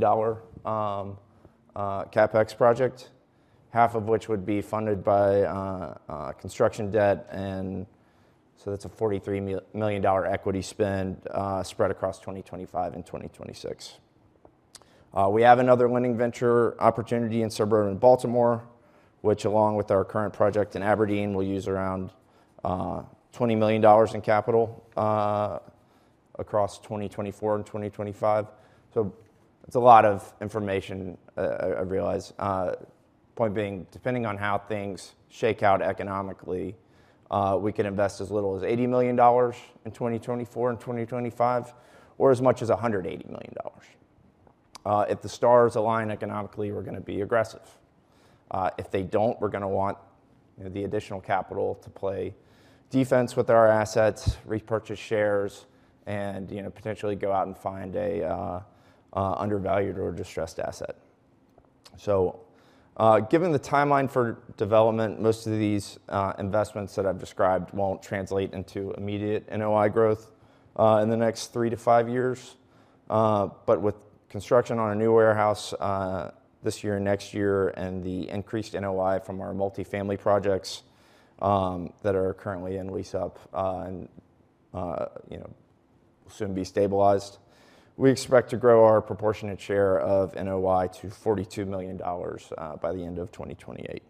CapEx project. Half of which would be funded by construction debt, and so that's a $43 million equity spend spread across 2025 and 2026. We have another lending venture opportunity in suburban Baltimore, which, along with our current project in Aberdeen, will use around $20 million in capital across 2024 and 2025. So that's a lot of information, I realize. Point being, depending on how things shake out economically, we can invest as little as $80 million in 2024 and 2025, or as much as $180 million. If the stars align economically, we're gonna be aggressive. If they don't, we're gonna want, you know, the additional capital to play defense with our assets, repurchase shares, and, you know, potentially go out and find an undervalued or distressed asset. So, given the timeline for development, most of these investments that I've described won't translate into immediate NOI growth, in the next three to five years. But with construction on a new warehouse this year and next year, and the increased NOI from our multifamily projects that are currently in lease-up, and you know, soon be stabilized. We expect to grow our proportionate share of NOI to $42 million by the end of 2028.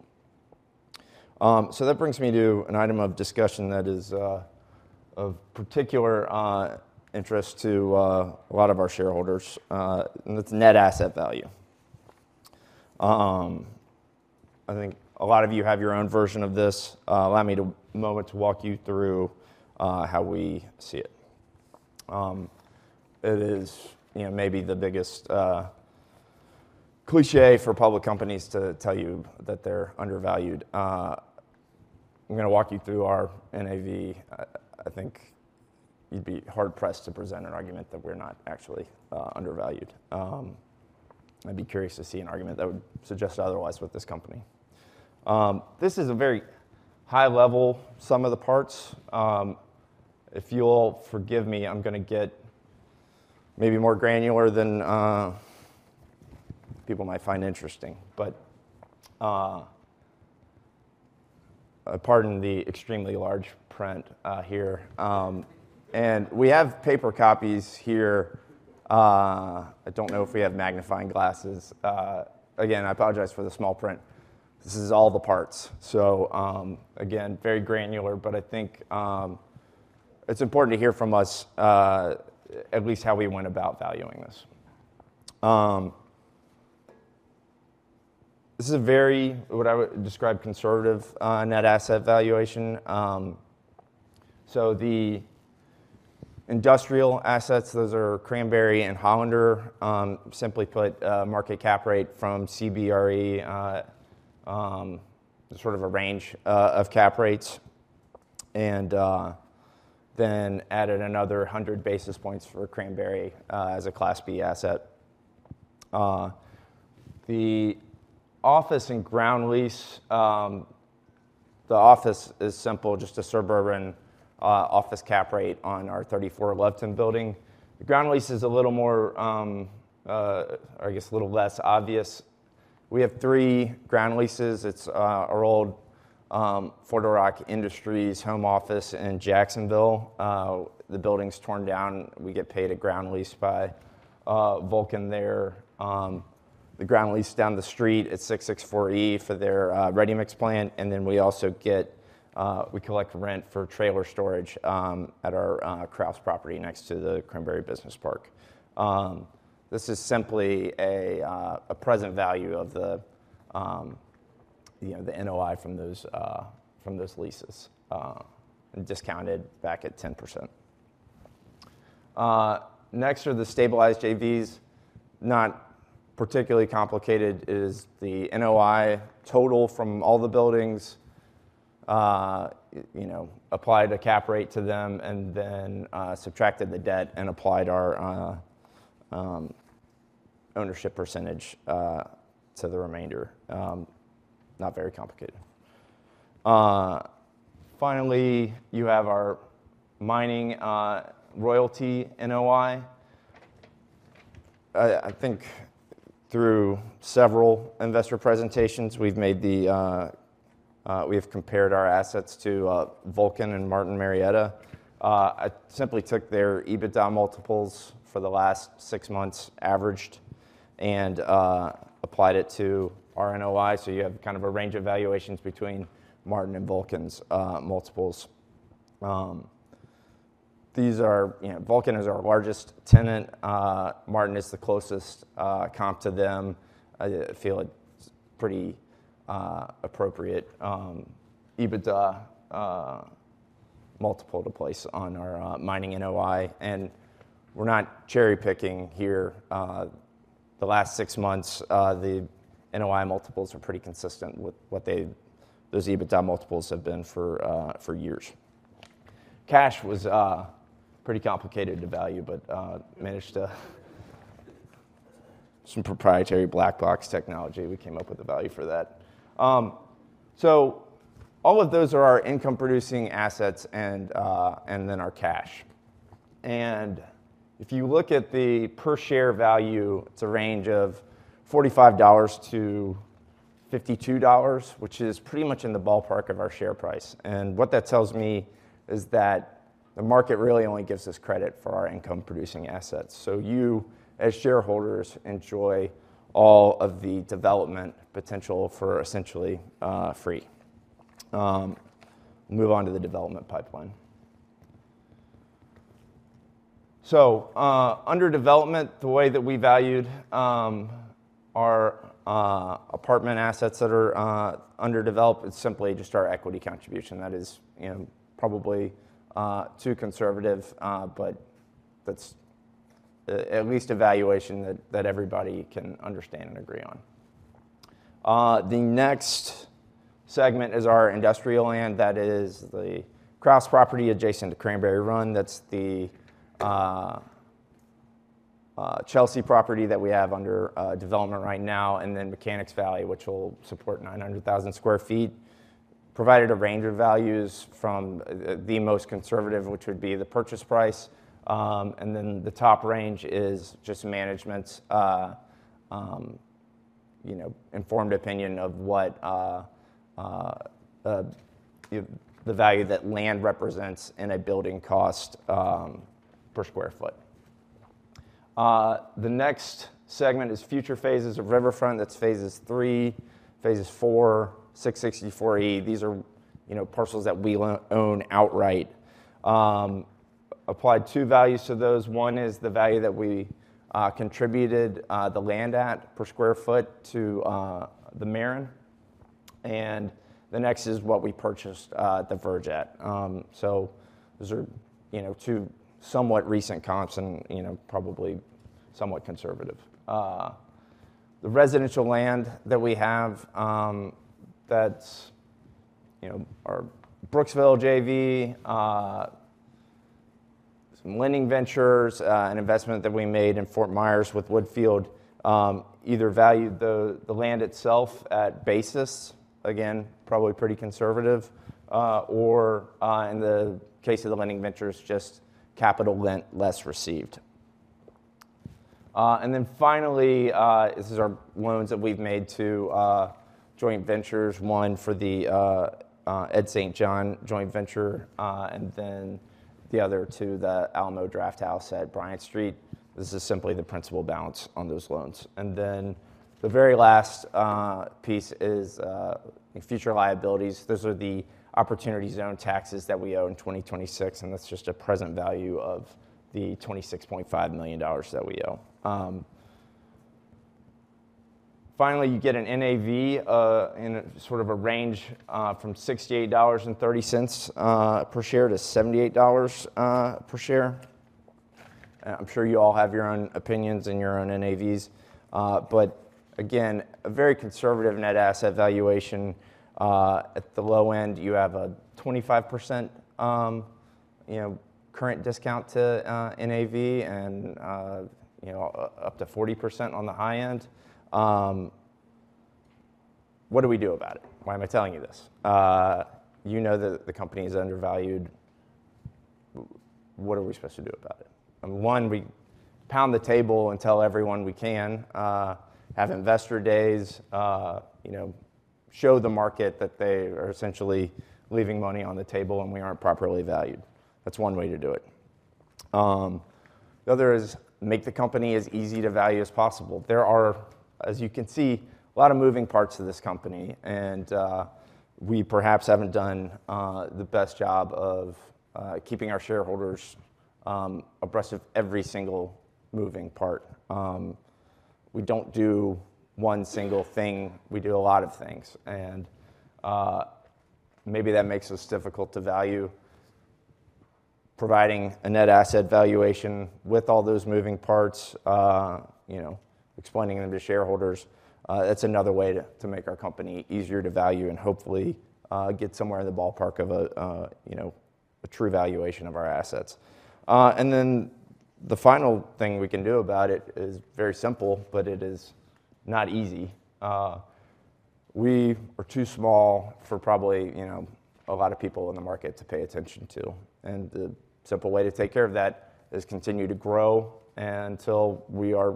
So that brings me to an item of discussion that is of particular interest to a lot of our shareholders, and it's net asset value. I think a lot of you have your own version of this. Allow me a moment to walk you through how we see it. It is, you know, maybe the biggest cliché for public companies to tell you that they're undervalued. I'm gonna walk you through our NAV. I think you'd be hard-pressed to present an argument that we're not actually undervalued. I'd be curious to see an argument that would suggest otherwise with this company. This is a very high level, sum of the parts. If you'll forgive me, I'm gonna get maybe more granular than people might find interesting, but pardon the extremely large print here. And we have paper copies here. I don't know if we have magnifying glasses. Again, I apologize for the small print. This is all the parts. So, again, very granular, but I think it's important to hear from us at least how we went about valuing this. This is a very, what I would describe, conservative net asset valuation. So the industrial assets, those are Cranberry and Hollander. Simply put, market cap rate from CBRE, sort of a range of cap rates, and then added another 100 basis points for Cranberry as a Class B asset. The office and ground lease, the office is simple, just a suburban office cap rate on our 34 Loveton building. The ground lease is a little more, I guess, a little less obvious. We have three ground leases. It's our old Florida Rock Industries home office in Jacksonville. The building's torn down, we get paid a ground lease by Vulcan there. The ground lease down the street at 664 E for their ready-mix plant, and then we also get, we collect rent for trailer storage at our Krauss property next to the Cranberry Business Park. This is simply a present value of the, you know, the NOI from those leases, and discounted back at 10%. Next are the stabilized JVs. Not particularly complicated, is the NOI total from all the buildings, you know, applied a cap rate to them, and then subtracted the debt, and applied our ownership percentage to the remainder. Not very complicated. Finally, you have our mining royalty NOI. I think through several investor presentations, we've made the... we have compared our assets to Vulcan and Martin Marietta. I simply took their EBITDA multiples for the last six months, averaged, and applied it to our NOI. So you have kind of a range of valuations between Martin and Vulcan's multiples. These are, you know, Vulcan is our largest tenant. Martin is the closest, you know, comp to them. I feel it's pretty, you know, appropriate, EBITDA, you know, multiple to place on our, you know, mining NOI, and we're not cherry-picking here. The last six months, the NOI multiples are pretty consistent with what they, those EBITDA multiples have been for, you know, for years. Cash was, you know, pretty complicated to value, but, you know, managed to some proprietary black box technology, we came up with a value for that. These are our income-producing assets, you know, and then our cash. If you look at the per share value, it's a range of $45-$52, which is pretty much in the ballpark of our share price. What that tells me is that the market really only gives us credit for our income-producing assets. You, as shareholders, enjoy all of the development potential for essentially, free. Move on to the development pipeline. Under development, the way that we valued our apartment assets that are under development is simply just our equity contribution. That is, you know, probably, too conservative, but that's at least a valuation that everybody can understand and agree on. The next segment is our industrial land. That is the Krauss property adjacent to Cranberry Run. That's the Chelsea property that we have under development right now, and then Mechanics Valley, which will support 900,000 sq ft. Provided a range of values from, the most conservative, which would be the purchase price, and then the top range is just management's, you know, informed opinion of what, you know, the value that land represents in a building cost, per square foot. The next segment is future phases of Riverfront. That's phases 3, phases 4, 664 E. These are, you know, parcels that we own outright. Applied two values to those. One is the value that we contributed, the land at per square foot to, The Maren, and the next is what we purchased, The Verge at. So those are, you know, two somewhat recent comps and, you know, probably somewhat conservative. The residential land that we have, you know, our Brooksville JV, some lending ventures, an investment that we made in Fort Myers with Woodfield. Either valued the land itself at basis, again, probably pretty conservative, or, in the case of the lending ventures, just capital lent less received. Finally, this is our loans that we've made to joint ventures. One for the Ed St. John joint venture, and then the other two, the Alamo Drafthouse at Bryant Street. This is simply the principal balance on those loans. The very last piece is future liabilities. Those are the Opportunity Zone taxes that we owe in 2026, and that's just a present value of the $26.5 million that we owe. Finally, you get an NAV in a sort of a range from $68.30-$78 per share. I'm sure you all have your own opinions and your own NAVs. But again, a very conservative net asset valuation. At the low end, you have a 25%, you know, current discount to NAV, and you know, up to 40% on the high end. What do we do about it? Why am I telling you this? You know that the company is undervalued. What are we supposed to do about it? One, we pound the table and tell everyone we can, have investor days, you know, show the market that they are essentially leaving money on the table and we aren't properly valued. That's one way to do it. The other is make the company as easy to value as possible. There are, as you can see, a lot of moving parts to this company, and we perhaps haven't done the best job of keeping our shareholders abreast of every single moving part. We don't do one single thing, we do a lot of things, and maybe that makes us difficult to value. Providing a net asset valuation with all those moving parts, you know, explaining them to shareholders, that's another way to make our company easier to value and hopefully get somewhere in the ballpark of a you know a true valuation of our assets. And then the final thing we can do about it is very simple, but it is not easy. We are too small for probably, you know, a lot of people in the market to pay attention to, and the simple way to take care of that is continue to grow until we are,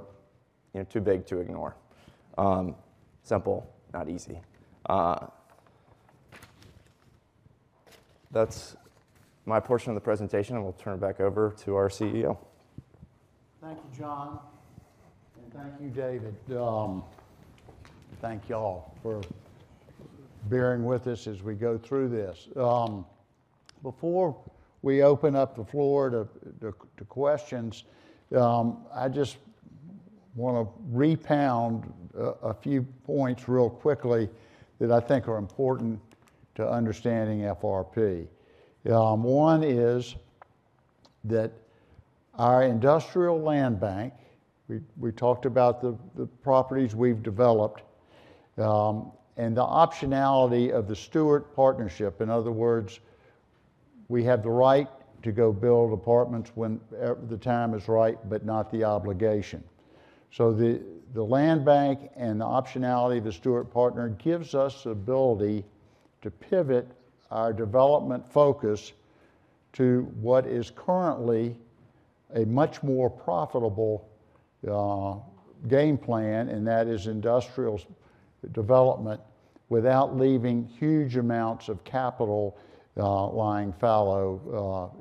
you know, too big to ignore. Simple, not easy. That's my portion of the presentation, and we'll turn it back over to our CEO. Thank you, John, and thank you, David. Thank you all for bearing with us as we go through this. Before we open up the floor to questions, I just wanna re-pound a few points real quickly that I think are important to understanding FRP. One is that our industrial land bank, we talked about the properties we've developed, and the optionality of the Steuart partnership. In other words, we have the right to go build apartments when the time is right, but not the obligation. So the land bank and the optionality of the Steuart partner gives us the ability to pivot our development focus to what is currently a much more profitable game plan, and that is industrial development, without leaving huge amounts of capital lying fallow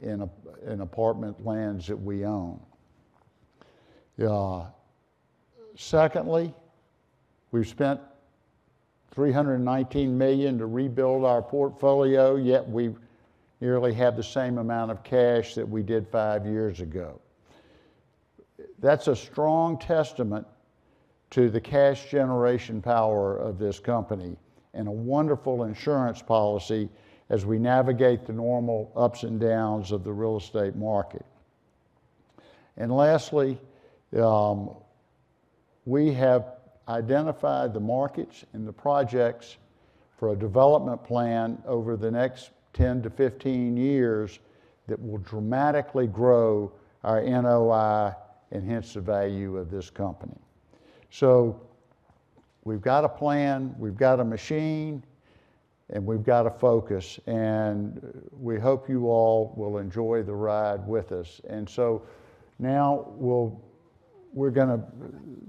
in apartment lands that we own. Secondly, we've spent $319 million to rebuild our portfolio, yet we nearly have the same amount of cash that we did five years ago. That's a strong testament to the cash generation power of this company and a wonderful insurance policy as we navigate the normal ups and downs of the real estate market. And lastly, we have identified the markets and the projects for a development plan over the next 10-15 years that will dramatically grow our NOI and hence the value of this company. So we've got a plan, we've got a machine, and we've got a focus, and we hope you all will enjoy the ride with us. And so now we'll... we're gonna,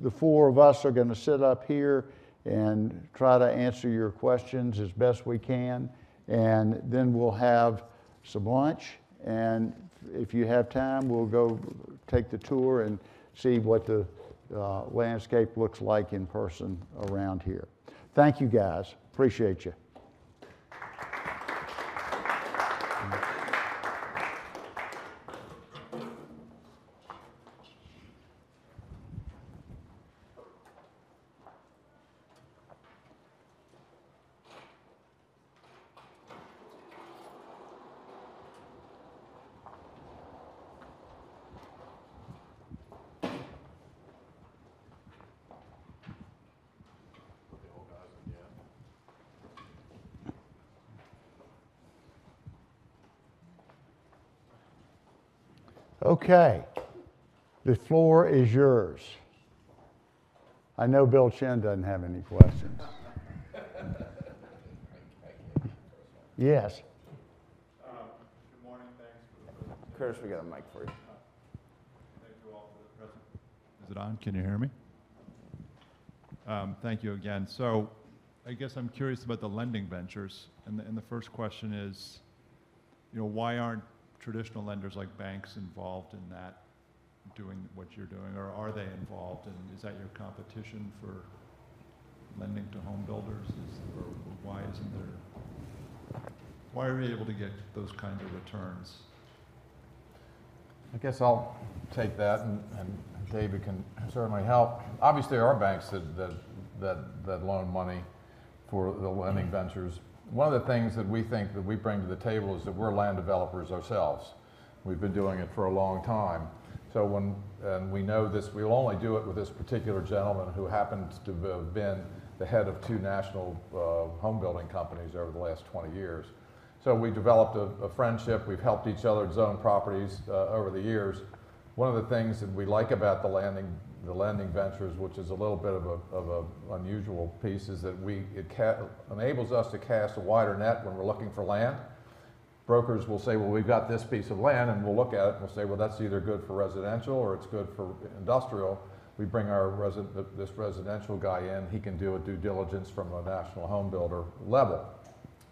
the four of us are gonna sit up here and try to answer your questions as best we can, and then we'll have some lunch, and if you have time, we'll go take the tour and see what the landscape looks like in person around here. Thank you, guys. Appreciate you. Okay, the floor is yours. I know Bill Chen doesn't have any questions. Yes. Good morning. Thanks for- Curtis, we got a mic for you. Thank you all for the presentation. Is it on? Can you hear me? Thank you again. So I guess I'm curious about the lending ventures, and the first question is, you know, why aren't traditional lenders like banks involved in that, doing what you're doing? Or are they involved, and is that your competition for lending to home builders? Or why isn't there—Why are you able to get those kinds of returns? I guess I'll take that, and David can certainly help. Obviously, there are banks that loan money for the lending ventures. One of the things that we think that we bring to the table is that we're land developers ourselves. We've been doing it for a long time, so when. And we know this, we will only do it with this particular gentleman, who happens to have been the head of two national home building companies over the last 20 years. So we developed a friendship. We've helped each other zone properties over the years.... One of the things that we like about the lending, the lending ventures, which is a little bit of a, of a unusual piece, is that it enables us to cast a wider net when we're looking for land. Brokers will say, "Well, we've got this piece of land," and we'll look at it, and we'll say, "Well, that's either good for residential or it's good for industrial." We bring our residential guy in, he can do a due diligence from a national home builder level.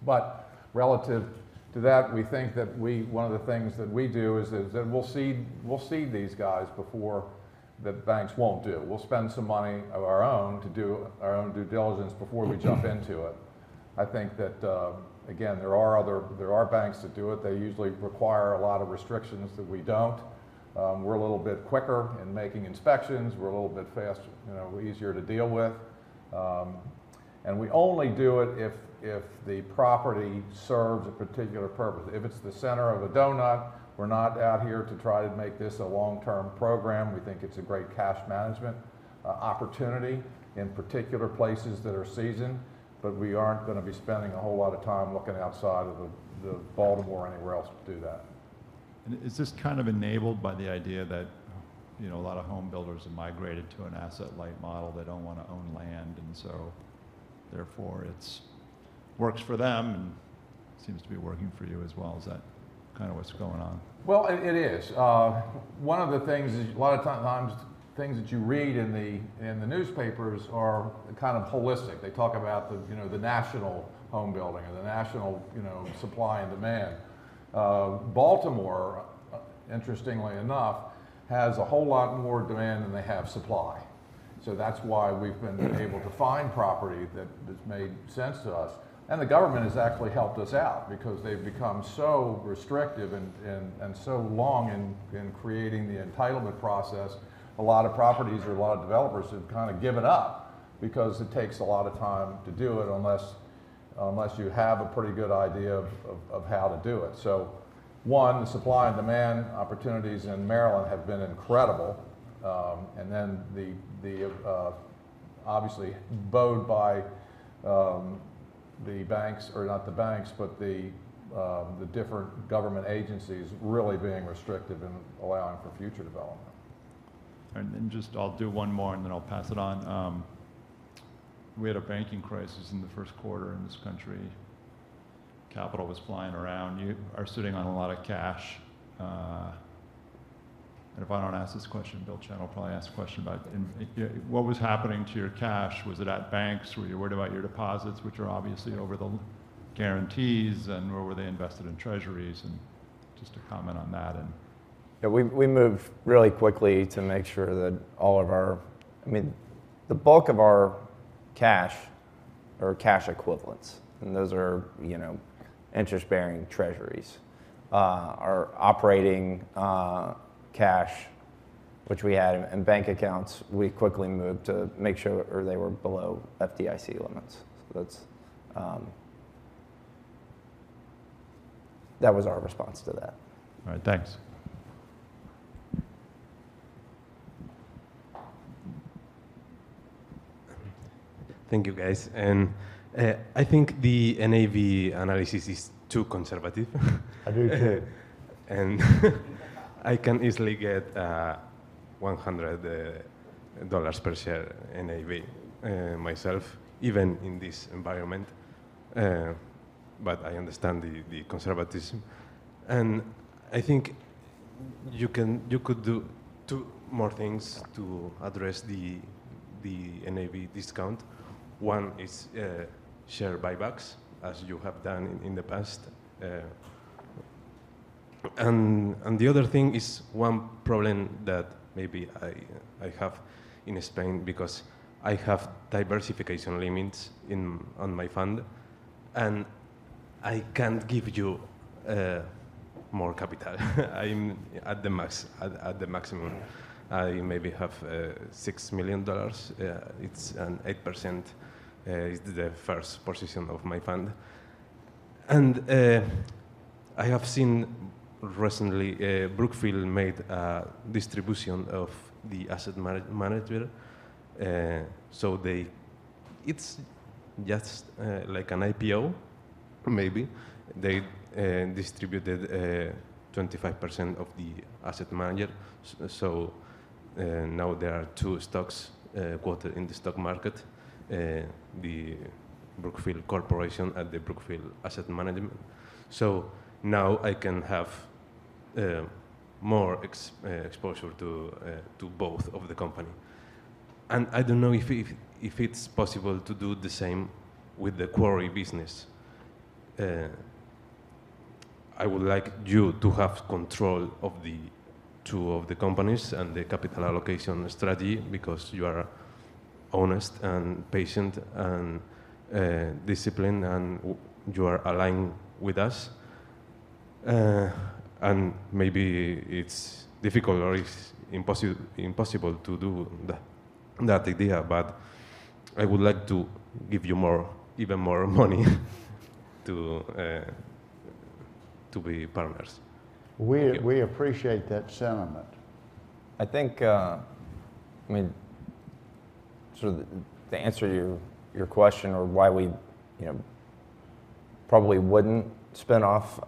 But relative to that, we think that one of the things that we do is that we'll see these guys before the banks won't do. We'll spend some money of our own to do our own due diligence before we jump into it. I think that, again, there are banks that do it. They usually require a lot of restrictions that we don't. We're a little bit quicker in making inspections, we're a little bit faster, you know, easier to deal with. And we only do it if the property serves a particular purpose. If it's the center of a donut, we're not out here to try to make this a long-term program. We think it's a great cash management opportunity in particular places that are seasoned, but we aren't gonna be spending a whole lot of time looking outside of the Baltimore or anywhere else to do that. Is this kind of enabled by the idea that, you know, a lot of home builders have migrated to an asset-light model? They don't wanna own land, and so therefore, it's works for them and seems to be working for you as well. Is that kind of what's going on? Well, it is. One of the things is a lot of times, things that you read in the newspapers are kind of holistic. They talk about the, you know, the national home building or the national, you know, supply and demand. Baltimore, interestingly enough, has a whole lot more demand than they have supply. That's why we've been able to find property that, that's made sense to us. The government has actually helped us out because they've become so restrictive and so long in creating the entitlement process, a lot of properties or a lot of developers have kind of given up because it takes a lot of time to do it unless you have a pretty good idea of how to do it. One, the supply and demand opportunities in Maryland have been incredible. Obviously bowed by the banks-- or not the banks, but the different government agencies really being restrictive in allowing for future development. And then just I'll do one more, and then I'll pass it on. We had a banking crisis in the first quarter in this country. Capital was flying around. You are sitting on a lot of cash, and if I don't ask this question, Bill Chen will probably ask a question about it. And, what was happening to your cash? Was it at banks, were you worried about your deposits, which are obviously over the guarantees, and where were they invested in treasuries? And just to comment on that, and- Yeah, we moved really quickly to make sure that all of our bulk of our cash or cash equivalents, and those are, you know, interest-bearing treasuries. Our operating cash, which we had in bank accounts, we quickly moved to make sure or they were below FDIC limits. So that's... That was our response to that. All right, thanks. Thank you, guys. I think the NAV analysis is too conservative. I do too. And I can easily get $100 per share NAV myself, even in this environment. But I understand the conservatism. And I think you can—you could do two more things to address the NAV discount. One is share buybacks, as you have done in the past. And the other thing is one problem that maybe I have in Spain, because I have diversification limits in, on my fund, and I can't give you more capital. I'm at the max. At the maximum, I maybe have $6 million. It's an 8% is the first position of my fund. And I have seen recently Brookfield made a distribution of the asset manager, so they—It's just like an IPO, maybe. They distributed 25% of the asset manager. So, now there are two stocks quoted in the stock market, the Brookfield Corporation and the Brookfield Asset Management. So now I can have more exposure to both of the company. And I don't know if it's possible to do the same with the Quarry business. I would like you to have control of the two of the companies and the capital allocation strategy because you are honest and patient and disciplined, and you are aligned with us. And maybe it's difficult or it's impossible to do that idea, but I would like to give you more, even more money to be partners. We appreciate that sentiment. I think, I mean... To answer your question on why we, you know, probably wouldn't spin off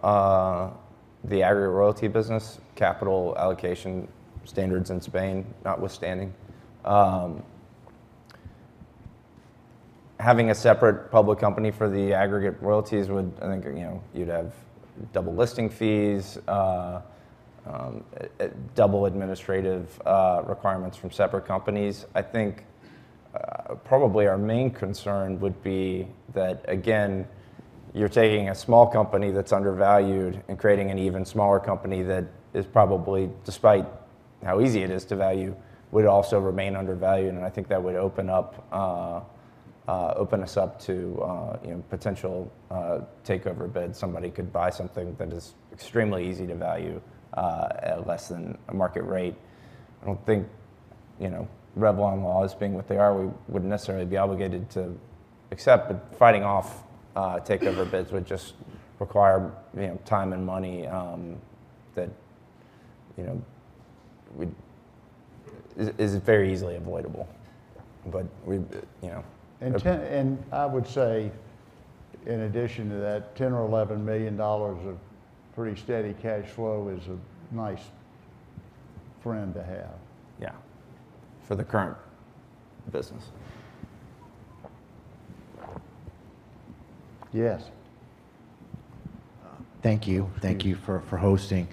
the aggregate royalty business, capital allocation standards in Spain notwithstanding. Having a separate public company for the aggregate royalties would, I think, you know, you'd have double listing fees, double administrative requirements from separate companies. I think probably our main concern would be that, again, you're taking a small company that's undervalued and creating an even smaller company that is probably, despite how easy it is to value, would also remain undervalued, and I think that would open us up to, you know, potential takeover bids. Somebody could buy something that is extremely easy to value at less than a market rate. I don't think, you know, Revlon laws being what they are, we wouldn't necessarily be obligated to accept, but fighting off takeover bids would just require, you know, time and money that, you know, we is very easily avoidable. But we, you know- I would say, in addition to that, $10 million-$11 million of pretty steady cash flow is a nice friend to have. Yeah. For the current business. Yes. Thank you. Thank you for hosting.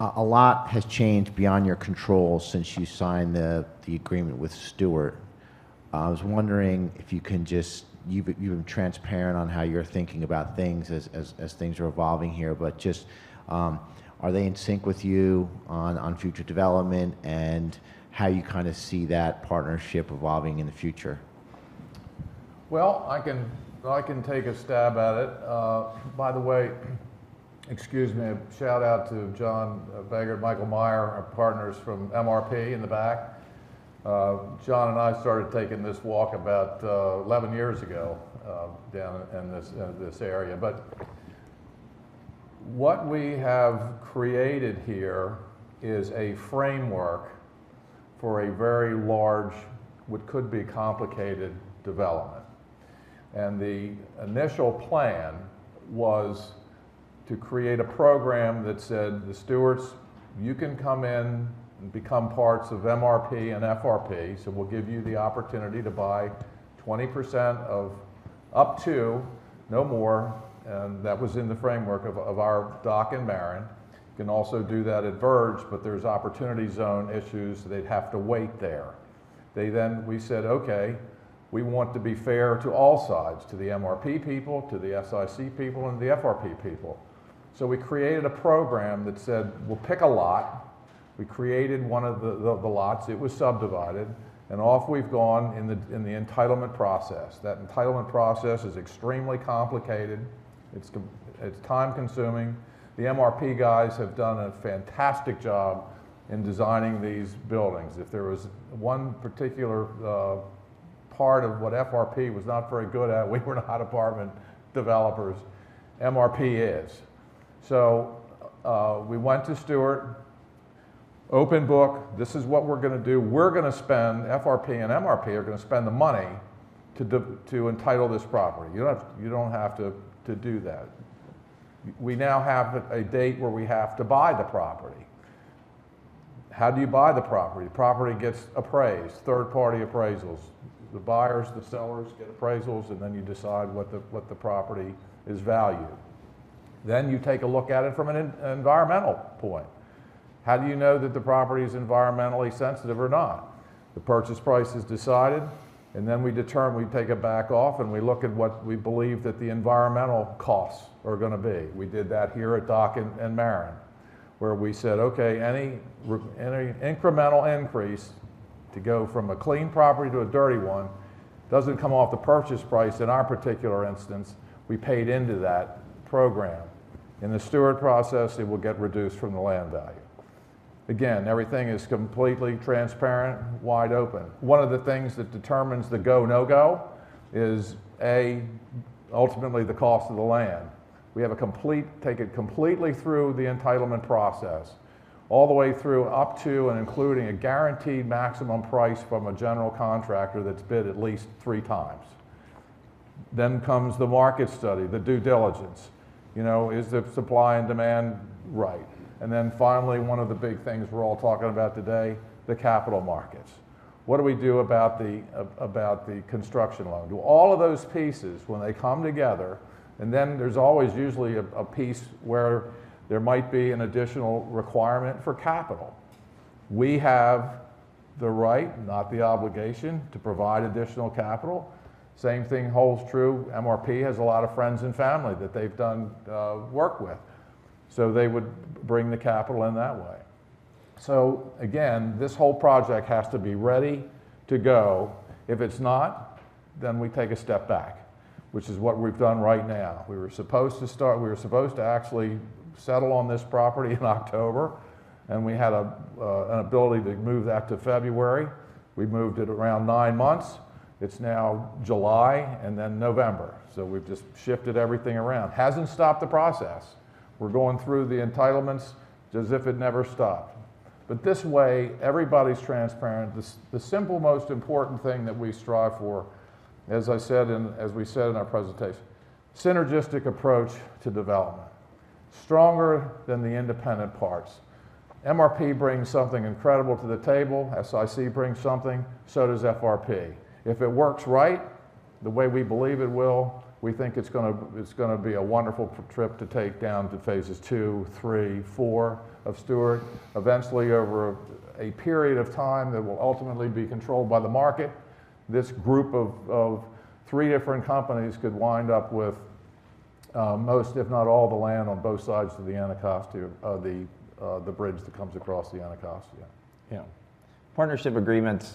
A lot has changed beyond your control since you signed the agreement with Steuart. I was wondering if you can just—you've been transparent on how you're thinking about things as things are evolving here. But just, are they in sync with you on future development, and how you kinda see that partnership evolving in the future? Well, I can, I can take a stab at it. By the way, excuse me, shout out to John Begert, Michael Meyer, our partners from MRP in the back. John and I started taking this walk about 11 years ago, down in this, in this area. But what we have created here is a framework for a very large, what could be a complicated development. And the initial plan was to create a program that said, the Steuarts, you can come in and become parts of MRP and FRP. So we'll give you the opportunity to buy 20% of up to, no more, and that was in the framework of, of our Dock and Maren. You can also do that at Verge, but there's Opportunity Zone issues, they'd have to wait there. They then-- we said, "Okay, we want to be fair to all sides, to the MRP people, to the SIC people, and the FRP people." We created a program that said, "We'll pick a lot." We created one of the, the, the lots. It was subdivided, and off we've gone in the, in the entitlement process. That entitlement process is extremely complicated. It's time-consuming. The MRP guys have done a fantastic job in designing these buildings. If there was one particular part of what FRP was not very good at, we were not apartment developers. MRP is. We went to Steuart, open book, this is what we're gonna do. We're gonna spend, FRP and MRP are gonna spend the money to entitle this property. You don't have, you don't have to, to do that. We now have a date where we have to buy the property. How do you buy the property? The property gets appraised, third-party appraisals. The buyers, the sellers get appraisals, and then you decide what the, what the property is valued. Then you take a look at it from an environmental point. How do you know that the property is environmentally sensitive or not? The purchase price is decided, and then we determine, we take it back off, and we look at what we believe that the environmental costs are gonna be. We did that here at Dock and Maren, where we said, "Okay, any incremental increase to go from a clean property to a dirty one doesn't come off the purchase price." In our particular instance, we paid into that program. In the Steuart process, it will get reduced from the land value. Again, everything is completely transparent, wide open. One of the things that determines the go, no-go is, A, ultimately, the cost of the land. We have a complete—take it completely through the entitlement process, all the way through, up to and including a guaranteed maximum price from a general contractor that's bid at least three times. Then comes the market study, the due diligence. You know, is the supply and demand right? And then finally, one of the big things we're all talking about today, the capital markets. What do we do about the, about the construction loan? Do all of those pieces when they come together, and then there's always usually a, a piece where there might be an additional requirement for capital. We have the right, not the obligation, to provide additional capital. Same thing holds true, MRP has a lot of friends and family that they've done work with, so they would bring the capital in that way. So again, this whole project has to be ready to go. If it's not, then we take a step back, which is what we've done right now. We were supposed to start—we were supposed to actually settle on this property in October, and we had an ability to move that to February. We moved it around nine months. It's now July and then November. So we've just shifted everything around. Hasn't stopped the process.... We're going through the entitlements as if it never stopped. But this way, everybody's transparent. The simple, most important thing that we strive for, as I said in—as we said in our presentation, synergistic approach to development. Stronger than the independent parts. MRP brings something incredible to the table, SIC brings something, so does FRP. If it works right, the way we believe it will, we think it's gonna be a wonderful trip to take down to phases 2, 3, 4 of Steuart. Eventually, over a period of time, that will ultimately be controlled by the market. This group of three different companies could wind up with most, if not all, the land on both sides of the Anacostia, the bridge that comes across the Anacostia. Yeah. Partnership agreements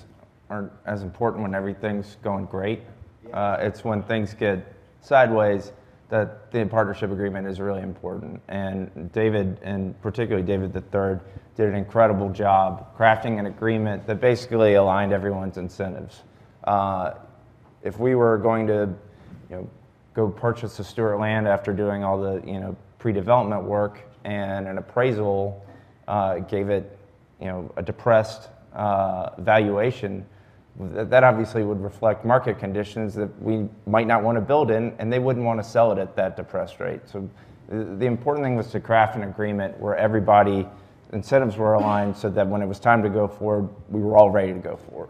aren't as important when everything's going great. Yeah. It's when things get sideways that the partnership agreement is really important. And David, and particularly David III, did an incredible job crafting an agreement that basically aligned everyone's incentives. If we were going to, you know, go purchase the Steuart land after doing all the, you know, pre-development work, and an appraisal gave it, you know, a depressed valuation, that obviously would reflect market conditions that we might not wanna build in, and they wouldn't wanna sell it at that depressed rate. So the important thing was to craft an agreement where everybody's incentives were aligned, so that when it was time to go forward, we were all ready to go forward.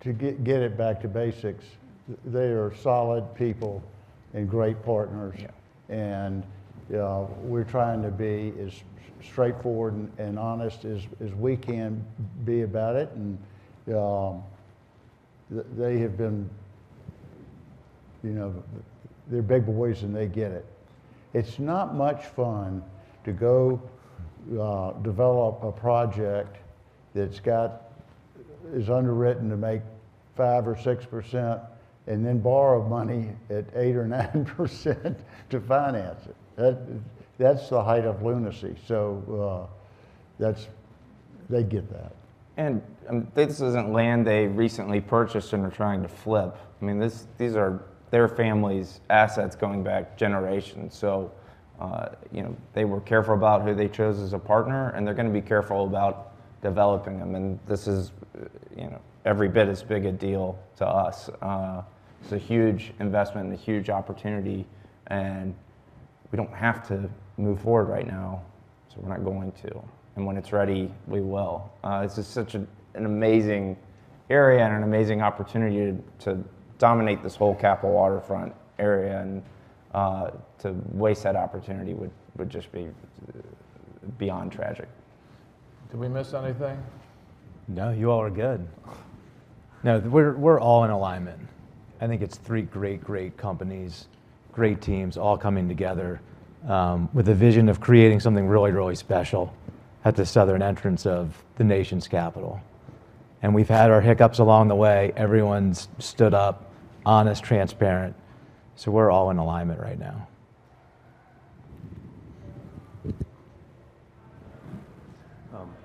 To get it back to basics, they are solid people and great partners. Yeah. We're trying to be as straightforward and honest as we can be about it, and they have been... You know, they're big boys, and they get it. It's not much fun to go develop a project that's underwritten to make 5% or 6% and then borrow money at 8% or 9% to finance it. That is, that's the height of lunacy, so that's... They get that. This isn't land they recently purchased and are trying to flip. I mean, this, these are their family's assets going back generations. So, you know, they were careful about who they chose as a partner, and they're gonna be careful about developing them. This is, you know, every bit as big a deal to us. It's a huge investment and a huge opportunity, and we don't have to move forward right now, so we're not going to, and when it's ready, we will. It's just such an amazing area and an amazing opportunity to dominate this whole Capitol Waterfront area, and to waste that opportunity would just be beyond tragic. Did we miss anything? No, you all are good. No, we're, we're all in alignment. I think it's three great, great companies, great teams, all coming together, with a vision of creating something really, really special at the southern entrance of the nation's capital. We've had our hiccups along the way. Everyone's stood up, honest, transparent, so we're all in alignment right now.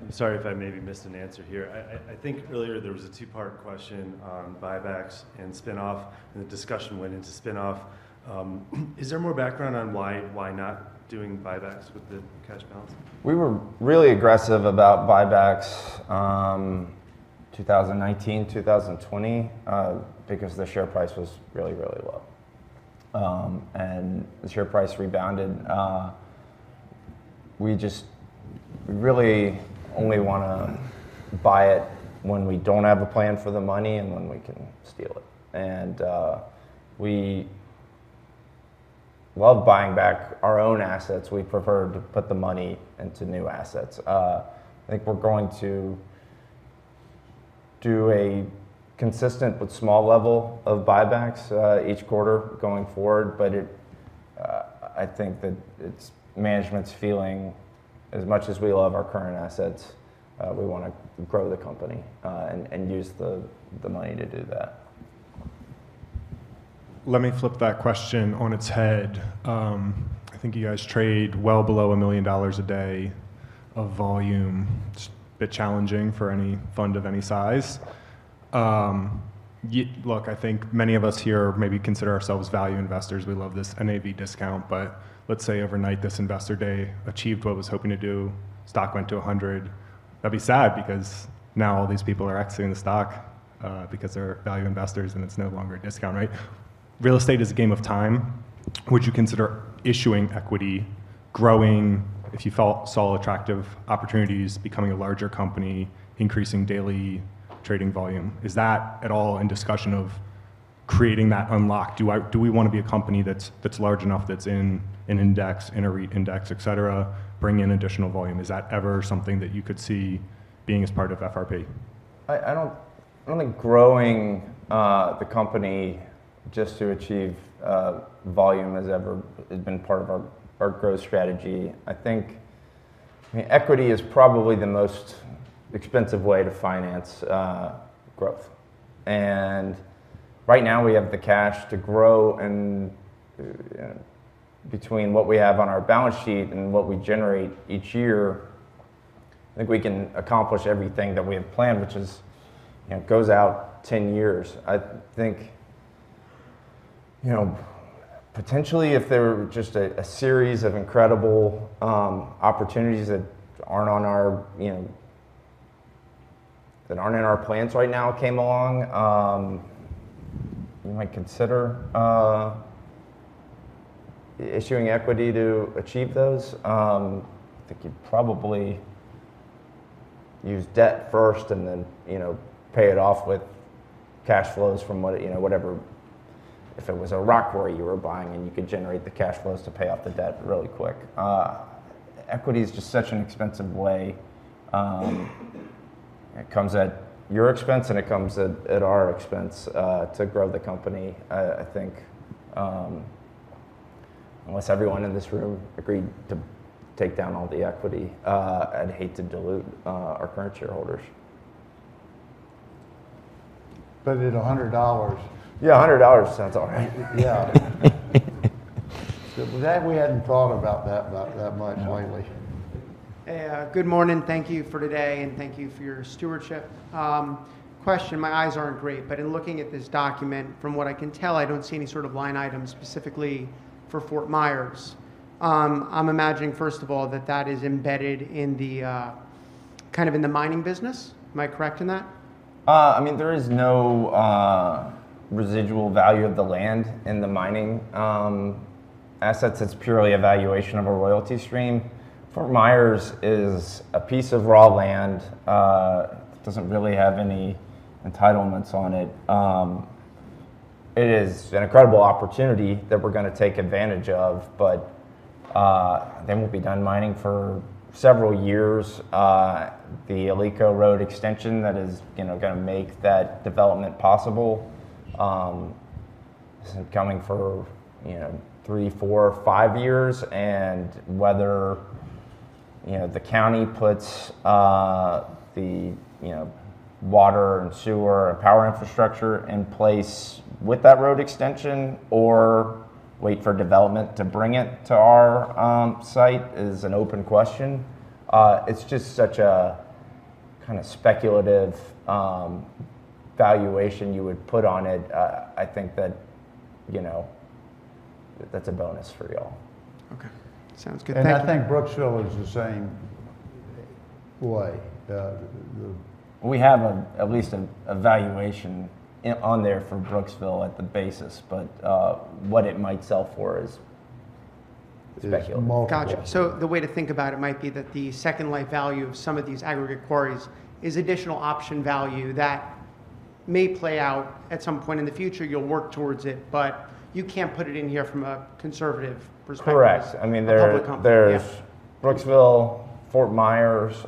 I'm sorry if I maybe missed an answer here. I think earlier there was a two-part question on buybacks and spin-off, and the discussion went into spin-off. Is there more background on why not doing buybacks with the cash balance? We were really aggressive about buybacks, 2019, 2020, because the share price was really, really low. And the share price rebounded. We just, we really only wanna buy it when we don't have a plan for the money and when we can steal it. And, we love buying back our own assets. We prefer to put the money into new assets. I think we're going to do a consistent but small level of buybacks, each quarter going forward, but it, I think that it's... management's feeling, as much as we love our current assets, we wanna grow the company, and, and use the, the money to do that. Let me flip that question on its head. I think you guys trade well below $1 million a day of volume. It's a bit challenging for any fund of any size. Look, I think many of us here maybe consider ourselves value investors. We love this NAV discount. But let's say overnight, this investor day achieved what it was hoping to do, stock went to 100. That'd be sad because now all these people are exiting the stock, because they're value investors, and it's no longer a discount, right? Real estate is a game of time. Would you consider issuing equity, growing if you saw attractive opportunities, becoming a larger company, increasing daily trading volume? Is that at all in discussion of creating that unlock? Do we wanna be a company that's large enough, that's in an index, in a REIT index, et cetera, bring in additional volume? Is that ever something that you could see being as part of FRP? I don't think growing the company just to achieve volume has ever been part of our growth strategy. I think, I mean, equity is probably the most expensive way to finance growth. And right now, we have the cash to grow, and between what we have on our balance sheet and what we generate each year—I think we can accomplish everything that we have planned, which is, it goes out 10 years. I think, you know, potentially if there were just a series of incredible opportunities that aren't on our, you know, that aren't in our plans right now came along, we might consider issuing equity to achieve those. I think you'd probably use debt first, and then, you know, pay it off with cash flows from what, you know, whatever. If it was a rock quarry you were buying, and you could generate the cash flows to pay off the debt really quick. Equity is just such an expensive way. It comes at your expense, and it comes at our expense to grow the company. I think, unless everyone in this room agreed to take down all the equity, I'd hate to dilute our current shareholders. But at $100- Yeah, $100, that's all right. Yeah. That we hadn't thought about that much lately. No. Good morning. Thank you for today, and thank you for your stewardship. Question, my eyes aren't great, but in looking at this document, from what I can tell, I don't see any sort of line items specifically for Fort Myers. I'm imagining, first of all, that that is embedded in the, kind of in the mining business. Am I correct in that? I mean, there is no residual value of the land in the mining assets. It's purely a valuation of a royalty stream. Fort Myers is a piece of raw land, doesn't really have any entitlements on it. It is an incredible opportunity that we're gonna take advantage of, but they won't be done mining for several years. The Alico Road extension that is, you know, gonna make that development possible isn't coming for, you know, three, four, five years. And whether, you know, the county puts the, you know, water and sewer and power infrastructure in place with that road extension or wait for development to bring it to our site is an open question. It's just such a kinda speculative valuation you would put on it. I think that, you know, that's a bonus for y'all. Okay. Sounds good. Thank you- I think Brooksville is the same way. We have at least a valuation on there for Brooksville at the basis, but what it might sell for is speculative. Is multiple. Gotcha. So the way to think about it might be that the second life value of some of these aggregate quarries is additional option value that may play out at some point in the future. You'll work towards it, but you can't put it in here from a conservative perspective- Correct. I mean, there- A public company, yeah. There's Brooksville, Fort Myers,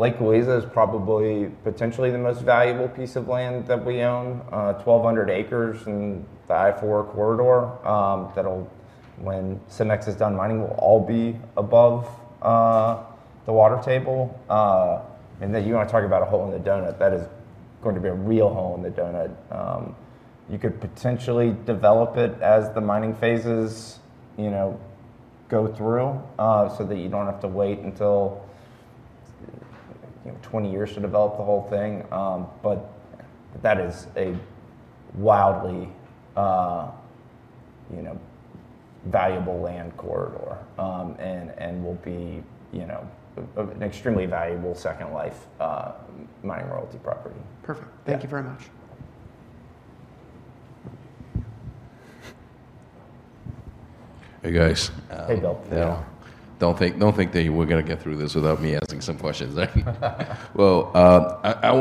Lake Louisa is probably potentially the most valuable piece of land that we own. 1,200 acres in the I-4 Corridor, that'll, when Cemex is done mining, will all be above the water table. And then you want to talk about a hole in the donut; that is going to be a real hole in the donut. You could potentially develop it as the mining phases, you know, go through, so that you don't have to wait until, you know, 20 years to develop the whole thing. But that is a wildly, you know, valuable land corridor, and, and will be, you know, a, an extremely valuable second life mining royalty property. Perfect. Yeah. Thank you very much. Hey, guys. Hey, Bill. Yeah. Don't think that we're gonna get through this without me asking some questions. Well, I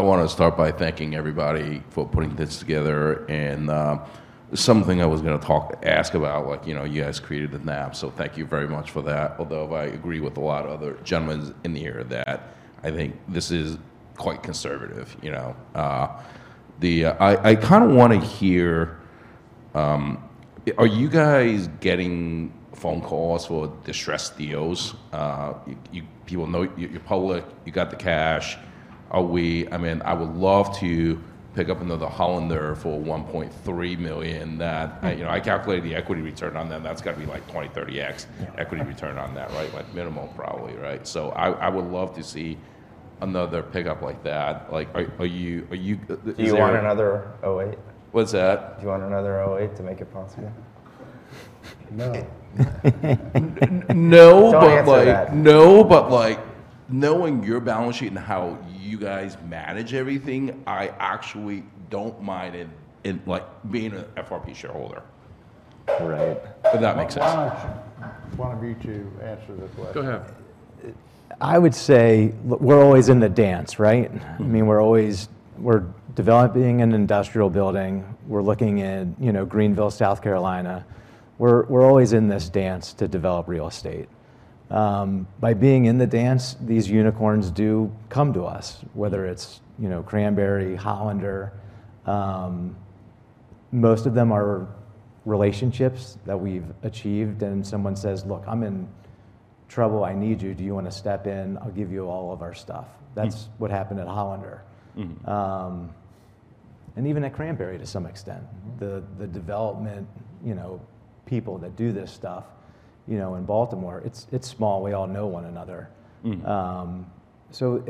wanna start by thanking everybody for putting this together, and something I was gonna ask about, like, you know, you guys created the NAV, so thank you very much for that. Although, I agree with a lot of other gentlemen in here that I think this is quite conservative, you know. I kind of want to hear, are you guys getting phone calls for distressed deals? People know you, you're public, you got the cash. I mean, I would love to pick up another Hollander for $1.3 million that... you know, I calculated the equity return on them. That's got to be, like, 20, 30x- Yeah equity return on that, right? Like, minimum, probably. Right? So I, I would love to see another pickup like that. Like, are, are you, are you, is there- Do you want another 2008? What's that? Do you want another 2008 to make it possible? No. No, but like- Don't answer that. No, but, like, knowing your balance sheet and how you guys manage everything, I actually don't mind, like, being a FRP shareholder. Right. If that makes sense. Well, I want you to answer this question. Go ahead. I would say we're always in the dance, right? Mm-hmm. I mean, we're always... We're developing an industrial building. We're looking in, you know, Greenville, South Carolina. We're, we're always in this dance to develop real estate. By being in the dance, these unicorns do come to us, whether it's, you know, Cranberry, Hollander. Most of them are relationships that we've achieved, and someone says: "Look, I'm in trouble. I need you. Do you wanna step in? I'll give you all of our stuff. Mm. That's what happened at Hollander. Mm-hmm. Um, uh- And even at Cranberry to some extent. Mm-hmm. The development, you know, people that do this stuff, you know, in Baltimore, it's small. We all know one another. Mm-hmm. So,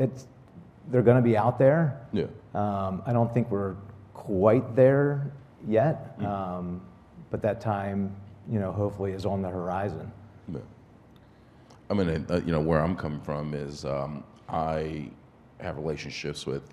they're gonna be out there. Yeah. I don't think we're quite there yet- Mm. but that time, you know, hopefully is on the horizon. Yeah. I mean, you know, where I'm coming from is, I have relationships with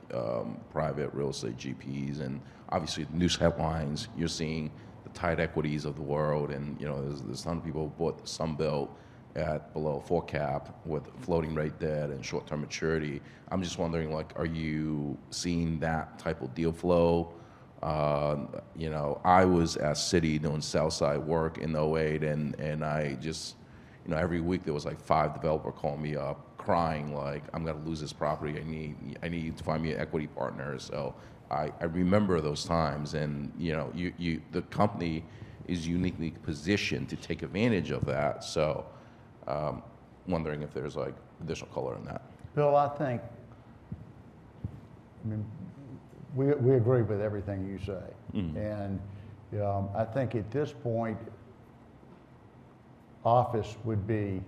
private real estate GPs, and obviously, the news headlines, you're seeing the Tides Equities of the world, and, you know, there's some people who bought some bill at below four cap with floating rate debt and short-term maturity. I'm just wondering, like, are you seeing that type of deal flow? You know, I was at Citi doing sell-side work in 2008, and I just... You know, every week there was, like, five developer calling me up, crying, like, "I'm gonna lose this property. I need, I need you to find me an equity partner." I remember those times, and, you know, you, you- the company is uniquely positioned to take advantage of that. Wondering if there's, like, additional color in that? Bill, I think... I mean, we agree with everything you say. Mm. And, I think at this point, office would be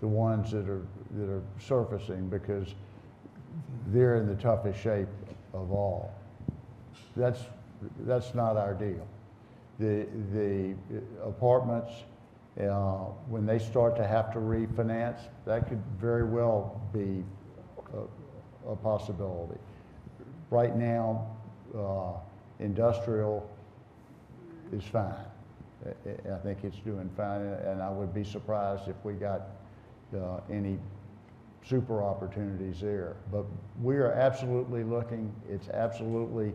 the ones that are surfacing because they're in the toughest shape of all. That's not our deal. The apartments, when they start to have to refinance, that could very well be a possibility. Right now, industrial is fine. I think it's doing fine, and I would be surprised if we got any super opportunities there. But we are absolutely looking. It's absolutely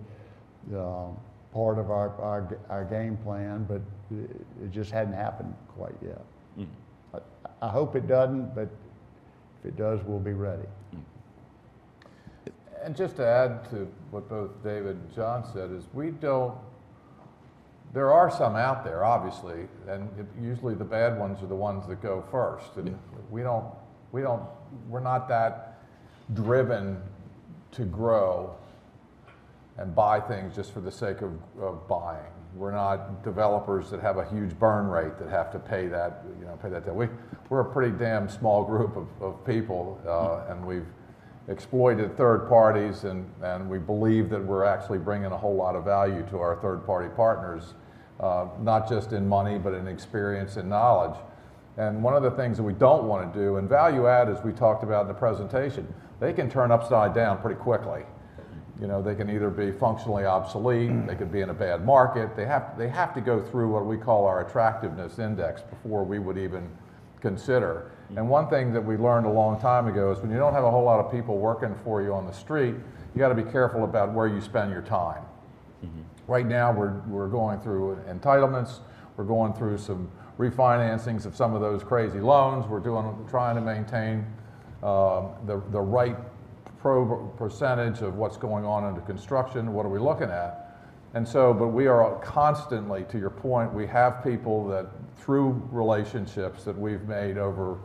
part of our game plan, but it just hadn't happened quite yet. Mm. I hope it doesn't, but if it does, we'll be ready. Mm. Just to add to what both David and John said is, we don't... There are some out there, obviously, and usually the bad ones are the ones that go first. Yeah. And we don't—we're not that driven to grow and buy things just for the sake of buying. We're not developers that have a huge burn rate, that have to pay that, you know, pay that debt. We're a pretty damnmall group of people, and we've exploited third parties, and we believe that we're actually bringing a whole lot of value to our third-party partners, not just in money, but in experience and knowledge. And one of the things that we don't want to do, and value-add, as we talked about in the presentation, they can turn upside down pretty quickly. You know, they can either be functionally obsolete- Mm They could be in a bad market. They have, they have to go through what we call our attractiveness index before we would even consider. Mm. One thing that we learned a long time ago is, when you don't have a whole lot of people working for you on the street, you gotta be careful about where you spend your time. Mm-hmm. Right now, we're going through entitlements, we're going through some refinancings of some of those crazy loans. We're trying to maintain the right percentage of what's going on under construction, what are we looking at? But we are constantly, to your point, we have people that, through relationships that we've made over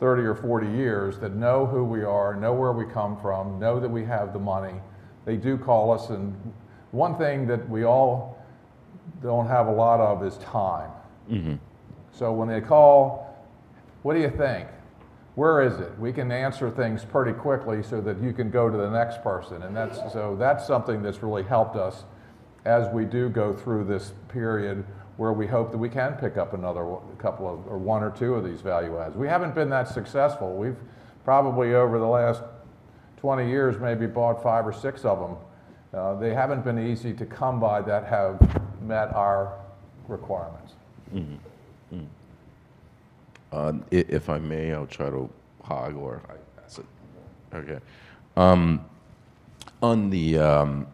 30 or 40 years, that know who we are, know where we come from, know that we have the money. They do call us, and one thing that we all don't have a lot of is time. Mm-hmm. So when they call: "What do you think? Where is it?" We can answer things pretty quickly so that you can go to the next person, and that's... So that's something that's really helped us as we do go through this period, where we hope that we can pick up another couple of, or one or two of these value adds. We haven't been that successful. We've probably, over the last 20 years, maybe bought five or six of them. They haven't been easy to come by, that have met our requirements. If I may, I'll try to hog or I- That's it. Okay. On the,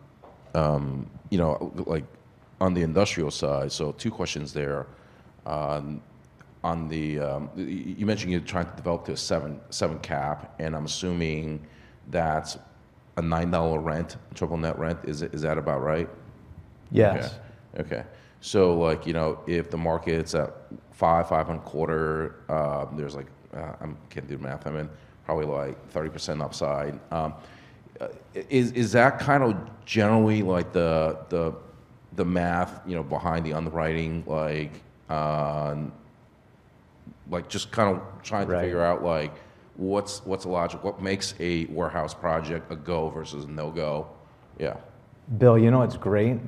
you know, like on the industrial side, so two questions there. On the... You mentioned you're trying to develop to a seven cap, and I'm assuming that's a $9 rent, triple net rent. Is, is that about right? Yes. Okay. Okay, so like, you know, if the market's at five, 5.25, there's like, I'm can't do math. I mean, probably like 30% upside. Is, is that kind of generally like the, the, the math, you know, behind the underwriting? Like, like just kind of trying- Right... to figure out, like, what's, what's the logic? What makes a warehouse project a go versus a no-go? Yeah. Bill, you know, what's great?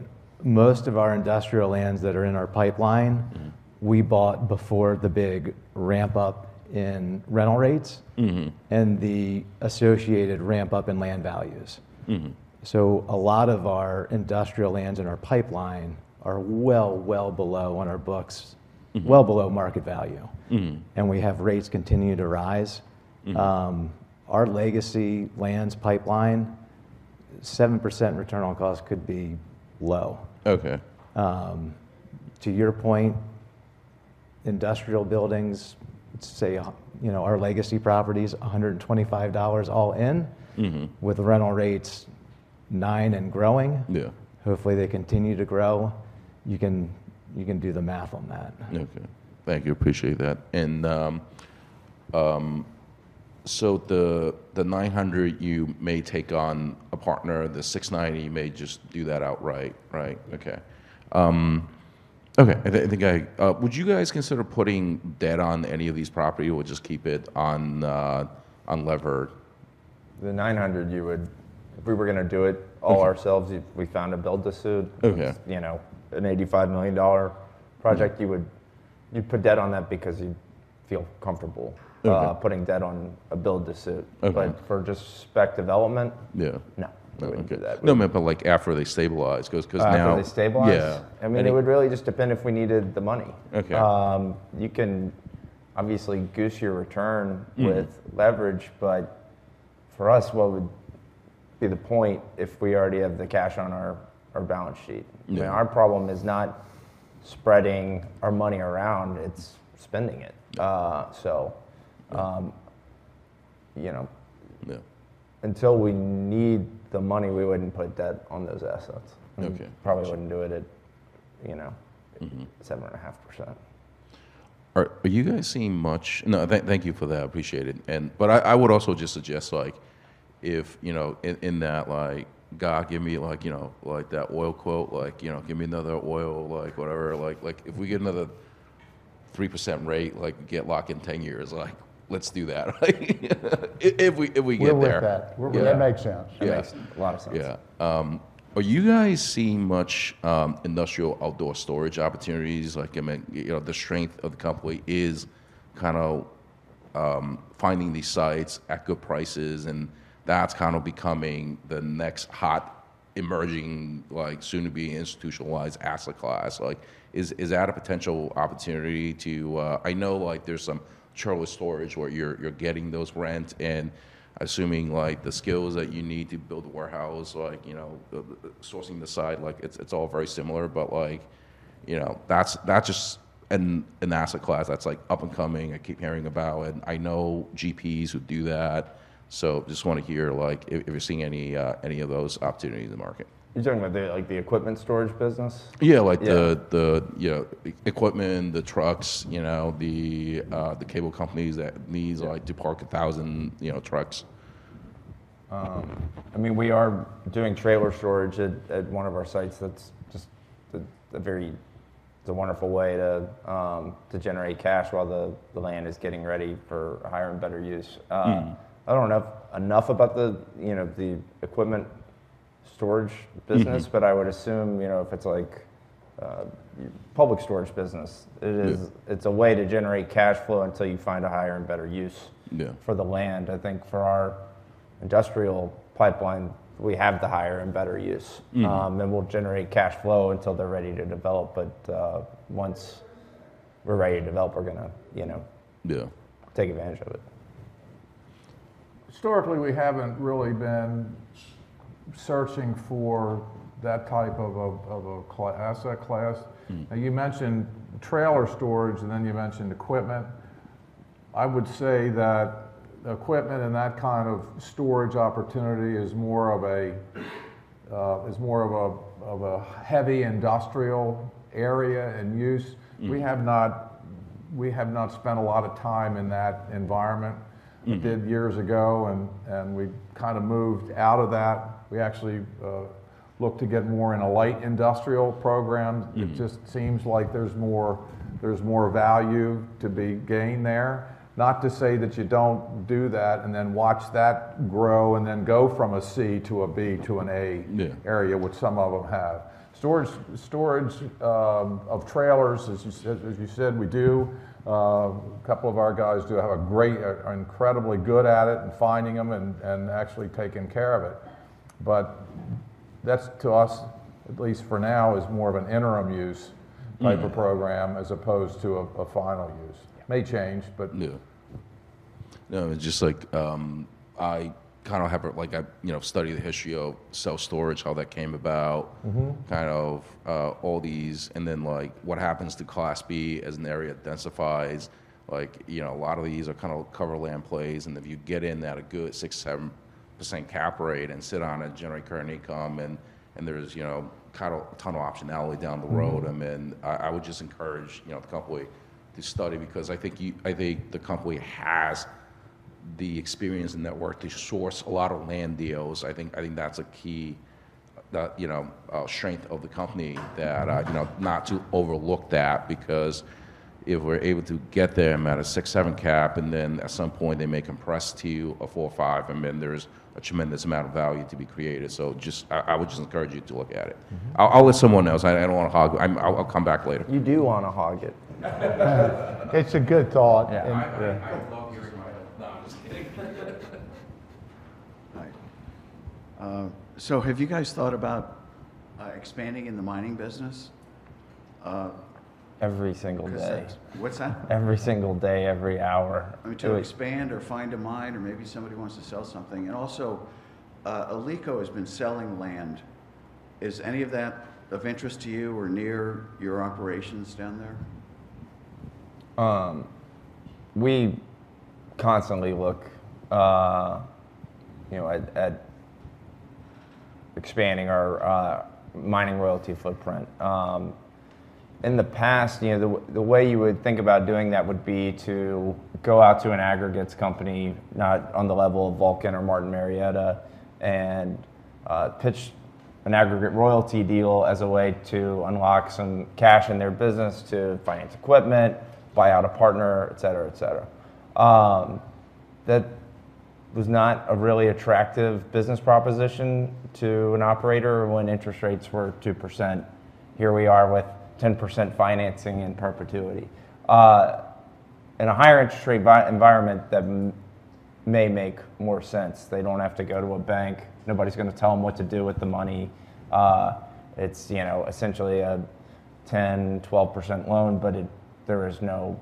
Most of our industrial lands that are in our pipeline- Mm-hmm... we bought before the big ramp up in rental rates- Mm-hmm... and the associated ramp up in land values. Mm-hmm. So a lot of our industrial lands in our pipeline are well, well below on our books- Mm-hmm... well below market value. Mm. We have rates continue to rise. Mm-hmm. Our legacy lands pipeline, 7% return on cost could be low. Okay. To your point, industrial buildings, let's say, you know, our legacy property is $125 all in- Mm-hmm... with rental rates 9% and growing. Yeah. Hopefully, they continue to grow. You can, you can do the math on that. Okay. Thank you. Appreciate that. The 900, you may take on a partner, the 690, you may just do that outright, right? Okay. I think I... Would you guys consider putting debt on any of these property, or just keep it on unlevered? The 900, you would- if we were gonna do it all ourselves- Mm-hmm.... if we found a build-to-suit- Okay... you know, an $85 million project- Mm... you would, you'd put debt on that because you'd feel comfortable- Okay ... putting debt on a build-to-suit. Okay. But for just spec development. Yeah... no. Okay. We wouldn't do that. No, I meant, but like after they stabilize, 'cause, 'cause now- After they stabilize? Yeah. I mean- I mean, it would really just depend if we needed the money. Okay. You can obviously goose your return- Mm... with leverage. But for us, what would be the point if we already have the cash on our balance sheet? Yeah. I mean, our problem is not spreading our money around, it's spending it. So, you know- Yeah... until we need the money, we wouldn't put debt on those assets. Okay. Probably wouldn't do it at, you know- Mm-hmm... 7.5%. All right. Are you guys seeing much...? No, thank you for that, I appreciate it. But I would also just suggest, like, if, you know, in, in that, like, God, give me like, you know, like that oil quote, like, you know, give me another oil, like, whatever. Like, like, if we get another 3% rate, like get locked in 10 years, like, let's do that, right? If we get there. We're with that. Yeah. That makes sense. Yeah. Makes a lot of sense. Yeah. Are you guys seeing much industrial outdoor storage opportunities? Like, I mean, you know, the strength of the company is kind of finding these sites at good prices, and that's kind of becoming the next hot, emerging, like, soon-to-be institutionalized asset class. Like, is that a potential opportunity to... I know, like there's some trailer storage where you're getting those rents, and assuming, like, the skills that you need to build a warehouse, like, you know, the sourcing the site, like, it's all very similar. But like, you know, that's just an asset class that's like up and coming. I keep hearing about, and I know GPs would do that. So just want to hear, like, if you're seeing any of those opportunities in the market. You're talking about the, like the equipment storage business? Yeah, like the- Yeah... the, you know, equipment, the trucks, you know, the cable companies that needs like- Yeah... to park 1,000, you know, trucks. I mean, we are doing trailer storage at one of our sites. That's just a. It's a wonderful way to generate cash while the land is getting ready for higher and better use. Mm. I don't know enough about the, you know, the equipment storage business- Mm-hmm... but I would assume, you know, if it's like a public storage business, it is- Yeah... it's a way to generate cash flow until you find a higher and better use- Yeah... for the land. I think for our industrial pipeline, we have the higher and better use. Mm. We'll generate cash flow until they're ready to develop, but once we're ready to develop, we're gonna, you know- Yeah... take advantage of it. Historically, we haven't really been searching for that type of asset class. Mm. You mentioned trailer storage, and then you mentioned equipment. I would say that equipment and that kind of storage opportunity is more of a heavy industrial area and use. Mm. We have not, we have not spent a lot of time in that environment. Mm. We did years ago, and we kind of moved out of that. We actually looked to get more in a light industrial program. Mm. It just seems like there's more, there's more value to be gained there. Not to say that you don't do that, and then watch that grow, and then go from a C to a B to an A- Yeah rea, which some of them have. Storage of trailers, as you said, we do. A couple of our guys are incredibly good at it, and finding them, and actually taking care of it. But that's, to us, at least for now, is more of an interim use- Mm Type of program, as opposed to a final use. May change, but- Yeah. No, it's just like, I kind of have, like, you know, study the history of self-storage, how that came about- Mm-hmm Kind of all these, and then like, what happens to Class B as an area densifies? Like, you know, a lot of these are kind of cover land plays, and if you get in at a good 6%-7% cap rate and sit on it, generate current income, and, and there's, you know, kind of a ton of optionality down the road- Mm I mean, I would just encourage, you know, the company to study, because I think I think the company has the experience and network to source a lot of land deals. I think that's a key that, you know, strength of the company that, you know, not to overlook that. Because if we're able to get them at a six to seven cap, and then at some point they may compress to a four or five, I mean, there's a tremendous amount of value to be created. So just, I would just encourage you to look at it. Mm-hmm. I'll let someone else. I don't want to hog. I'll come back later. You do wanna hog it. It's a good thought. Yeah. And, uh- I love hearing... No, I'm just kidding. Hi, so have you guys thought about expanding in the mining business? Every single day. 'Cause that- What's that? Every single day, every hour. I mean, to expand or find a mine, or maybe somebody wants to sell something. And also, Alico has been selling land. Is any of that of interest to you or near your operations down there? We constantly look, you know, at expanding our mining royalty footprint. In the past, you know, the way you would think about doing that would be to go out to an aggregates company, not on the level of Vulcan or Martin Marietta, and pitch an aggregate royalty deal as a way to unlock some cash in their business to finance equipment, buy out a partner, et cetera, et cetera. That was not a really attractive business proposition to an operator when interest rates were 2%. Here we are with 10% financing in perpetuity. In a higher interest rate environment, that may make more sense. They don't have to go to a bank. Nobody's gonna tell them what to do with the money. It's, you know, essentially a 10%-12% loan, but it, there is no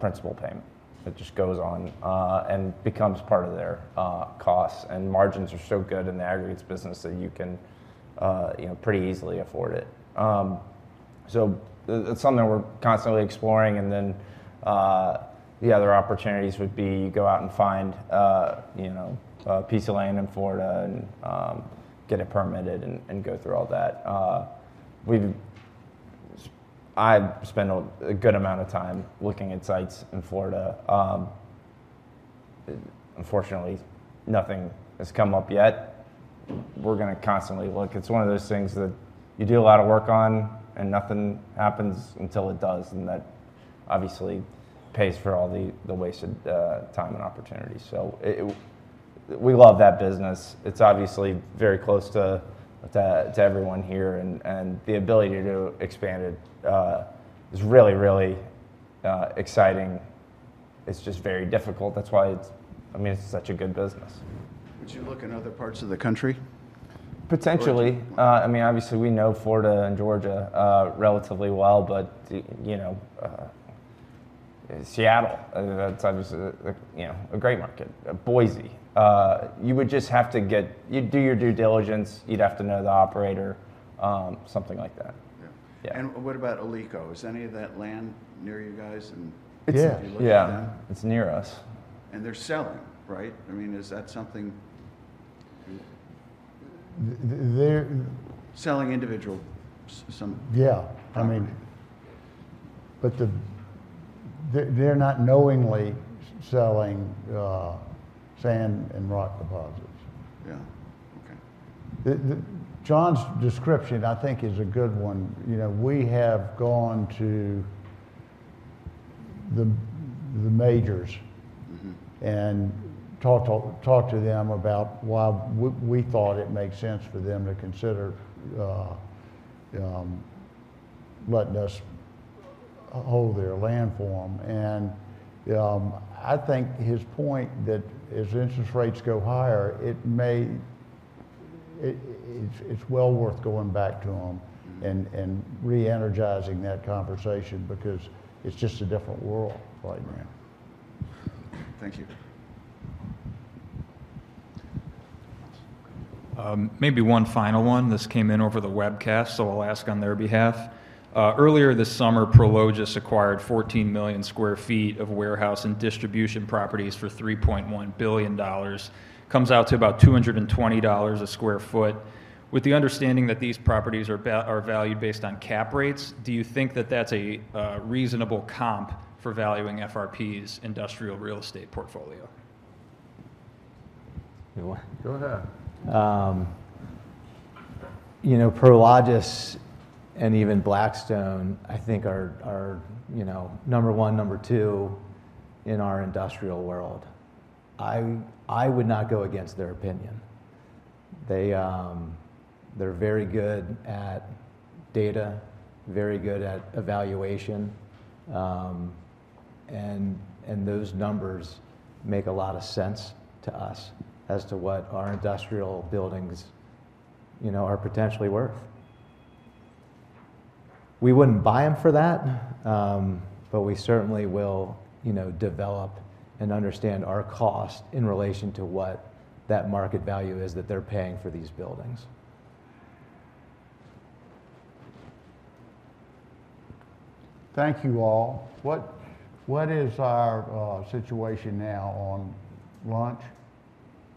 principal payment. It just goes on and becomes part of their costs, and margins are so good in the aggregates business that you can, you know, pretty easily afford it. So it, it's something that we're constantly exploring, and then the other opportunities would be you go out and find, you know, a piece of land in Florida and get it permitted and go through all that. I've spent a good amount of time looking at sites in Florida. Unfortunately, nothing has come up yet. We're gonna constantly look. It's one of those things that you do a lot of work on, and nothing happens until it does, and that obviously pays for all the wasted time and opportunity. So, we love that business. It's obviously very close to everyone here, and the ability to expand it is really, really exciting. It's just very difficult. That's why it's... I mean, it's such a good business. Would you look in other parts of the country? Potentially. Georgia? I mean, obviously we know Florida and Georgia relatively well, but you know, Seattle, that's obviously a you know a great market. Boise. You would just have to get... You'd do your due diligence. You'd have to know the operator, something like that. Yeah. Yeah. What about Alico? Is any of that land near you guys, and- Yeah... would you look at that? Yeah, it's near us. They're selling, right? I mean, is that something- They're Selling individual some Yeah. Okay. I mean, but they're not knowingly selling sand and rock deposits. Yeah, okay. John's description, I think, is a good one. You know, we have gone to the majors- Mm-hmm And talked to them about why we thought it made sense for them to consider letting us hold their land for them. And I think his point that as interest rates go higher, it may, it's well worth going back to them- Mm-hmm. And re-energizing that conversation because it's just a different world to play around. Thank you. Maybe one final one. This came in over the webcast, so I'll ask on their behalf. Earlier this summer, Prologis acquired 14 million sq ft of warehouse and distribution properties for $3.1 billion. Comes out to about $220 a sq ft. With the understanding that these properties are valued based on cap rates, do you think that that's a reasonable comp for valuing FRP's industrial real estate portfolio? You want? Go ahead. You know, Prologis and even Blackstone I think are, you know, number one, number two in our industrial world. I would not go against their opinion. They, they're very good at data, very good at evaluation. And those numbers make a lot of sense to us as to what our industrial buildings, you know, are potentially worth. We wouldn't buy them for that, but we certainly will, you know, develop and understand our cost in relation to what that market value is that they're paying for these buildings. Thank you, all. What is our situation now on lunch?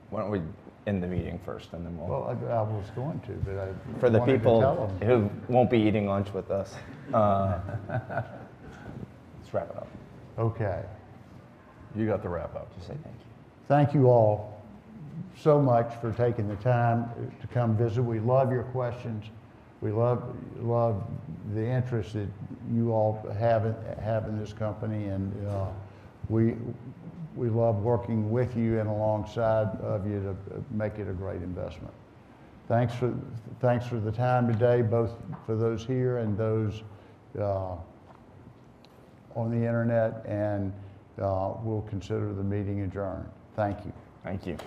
Why don't we end the meeting first, and then we'll- Well, I was going to, but I- For the people- Wanted to tell them. Who won't be eating lunch with us, let's wrap it up. Okay. You got the wrap-up to say thank you. Thank you all so much for taking the time to come visit. We love your questions. We love, love the interest that you all have in, have in this company, and we love working with you and alongside of you to make it a great investment. Thanks for the time today, both for those here and those on the internet, and we'll consider the meeting adjourned. Thank you. Thank you.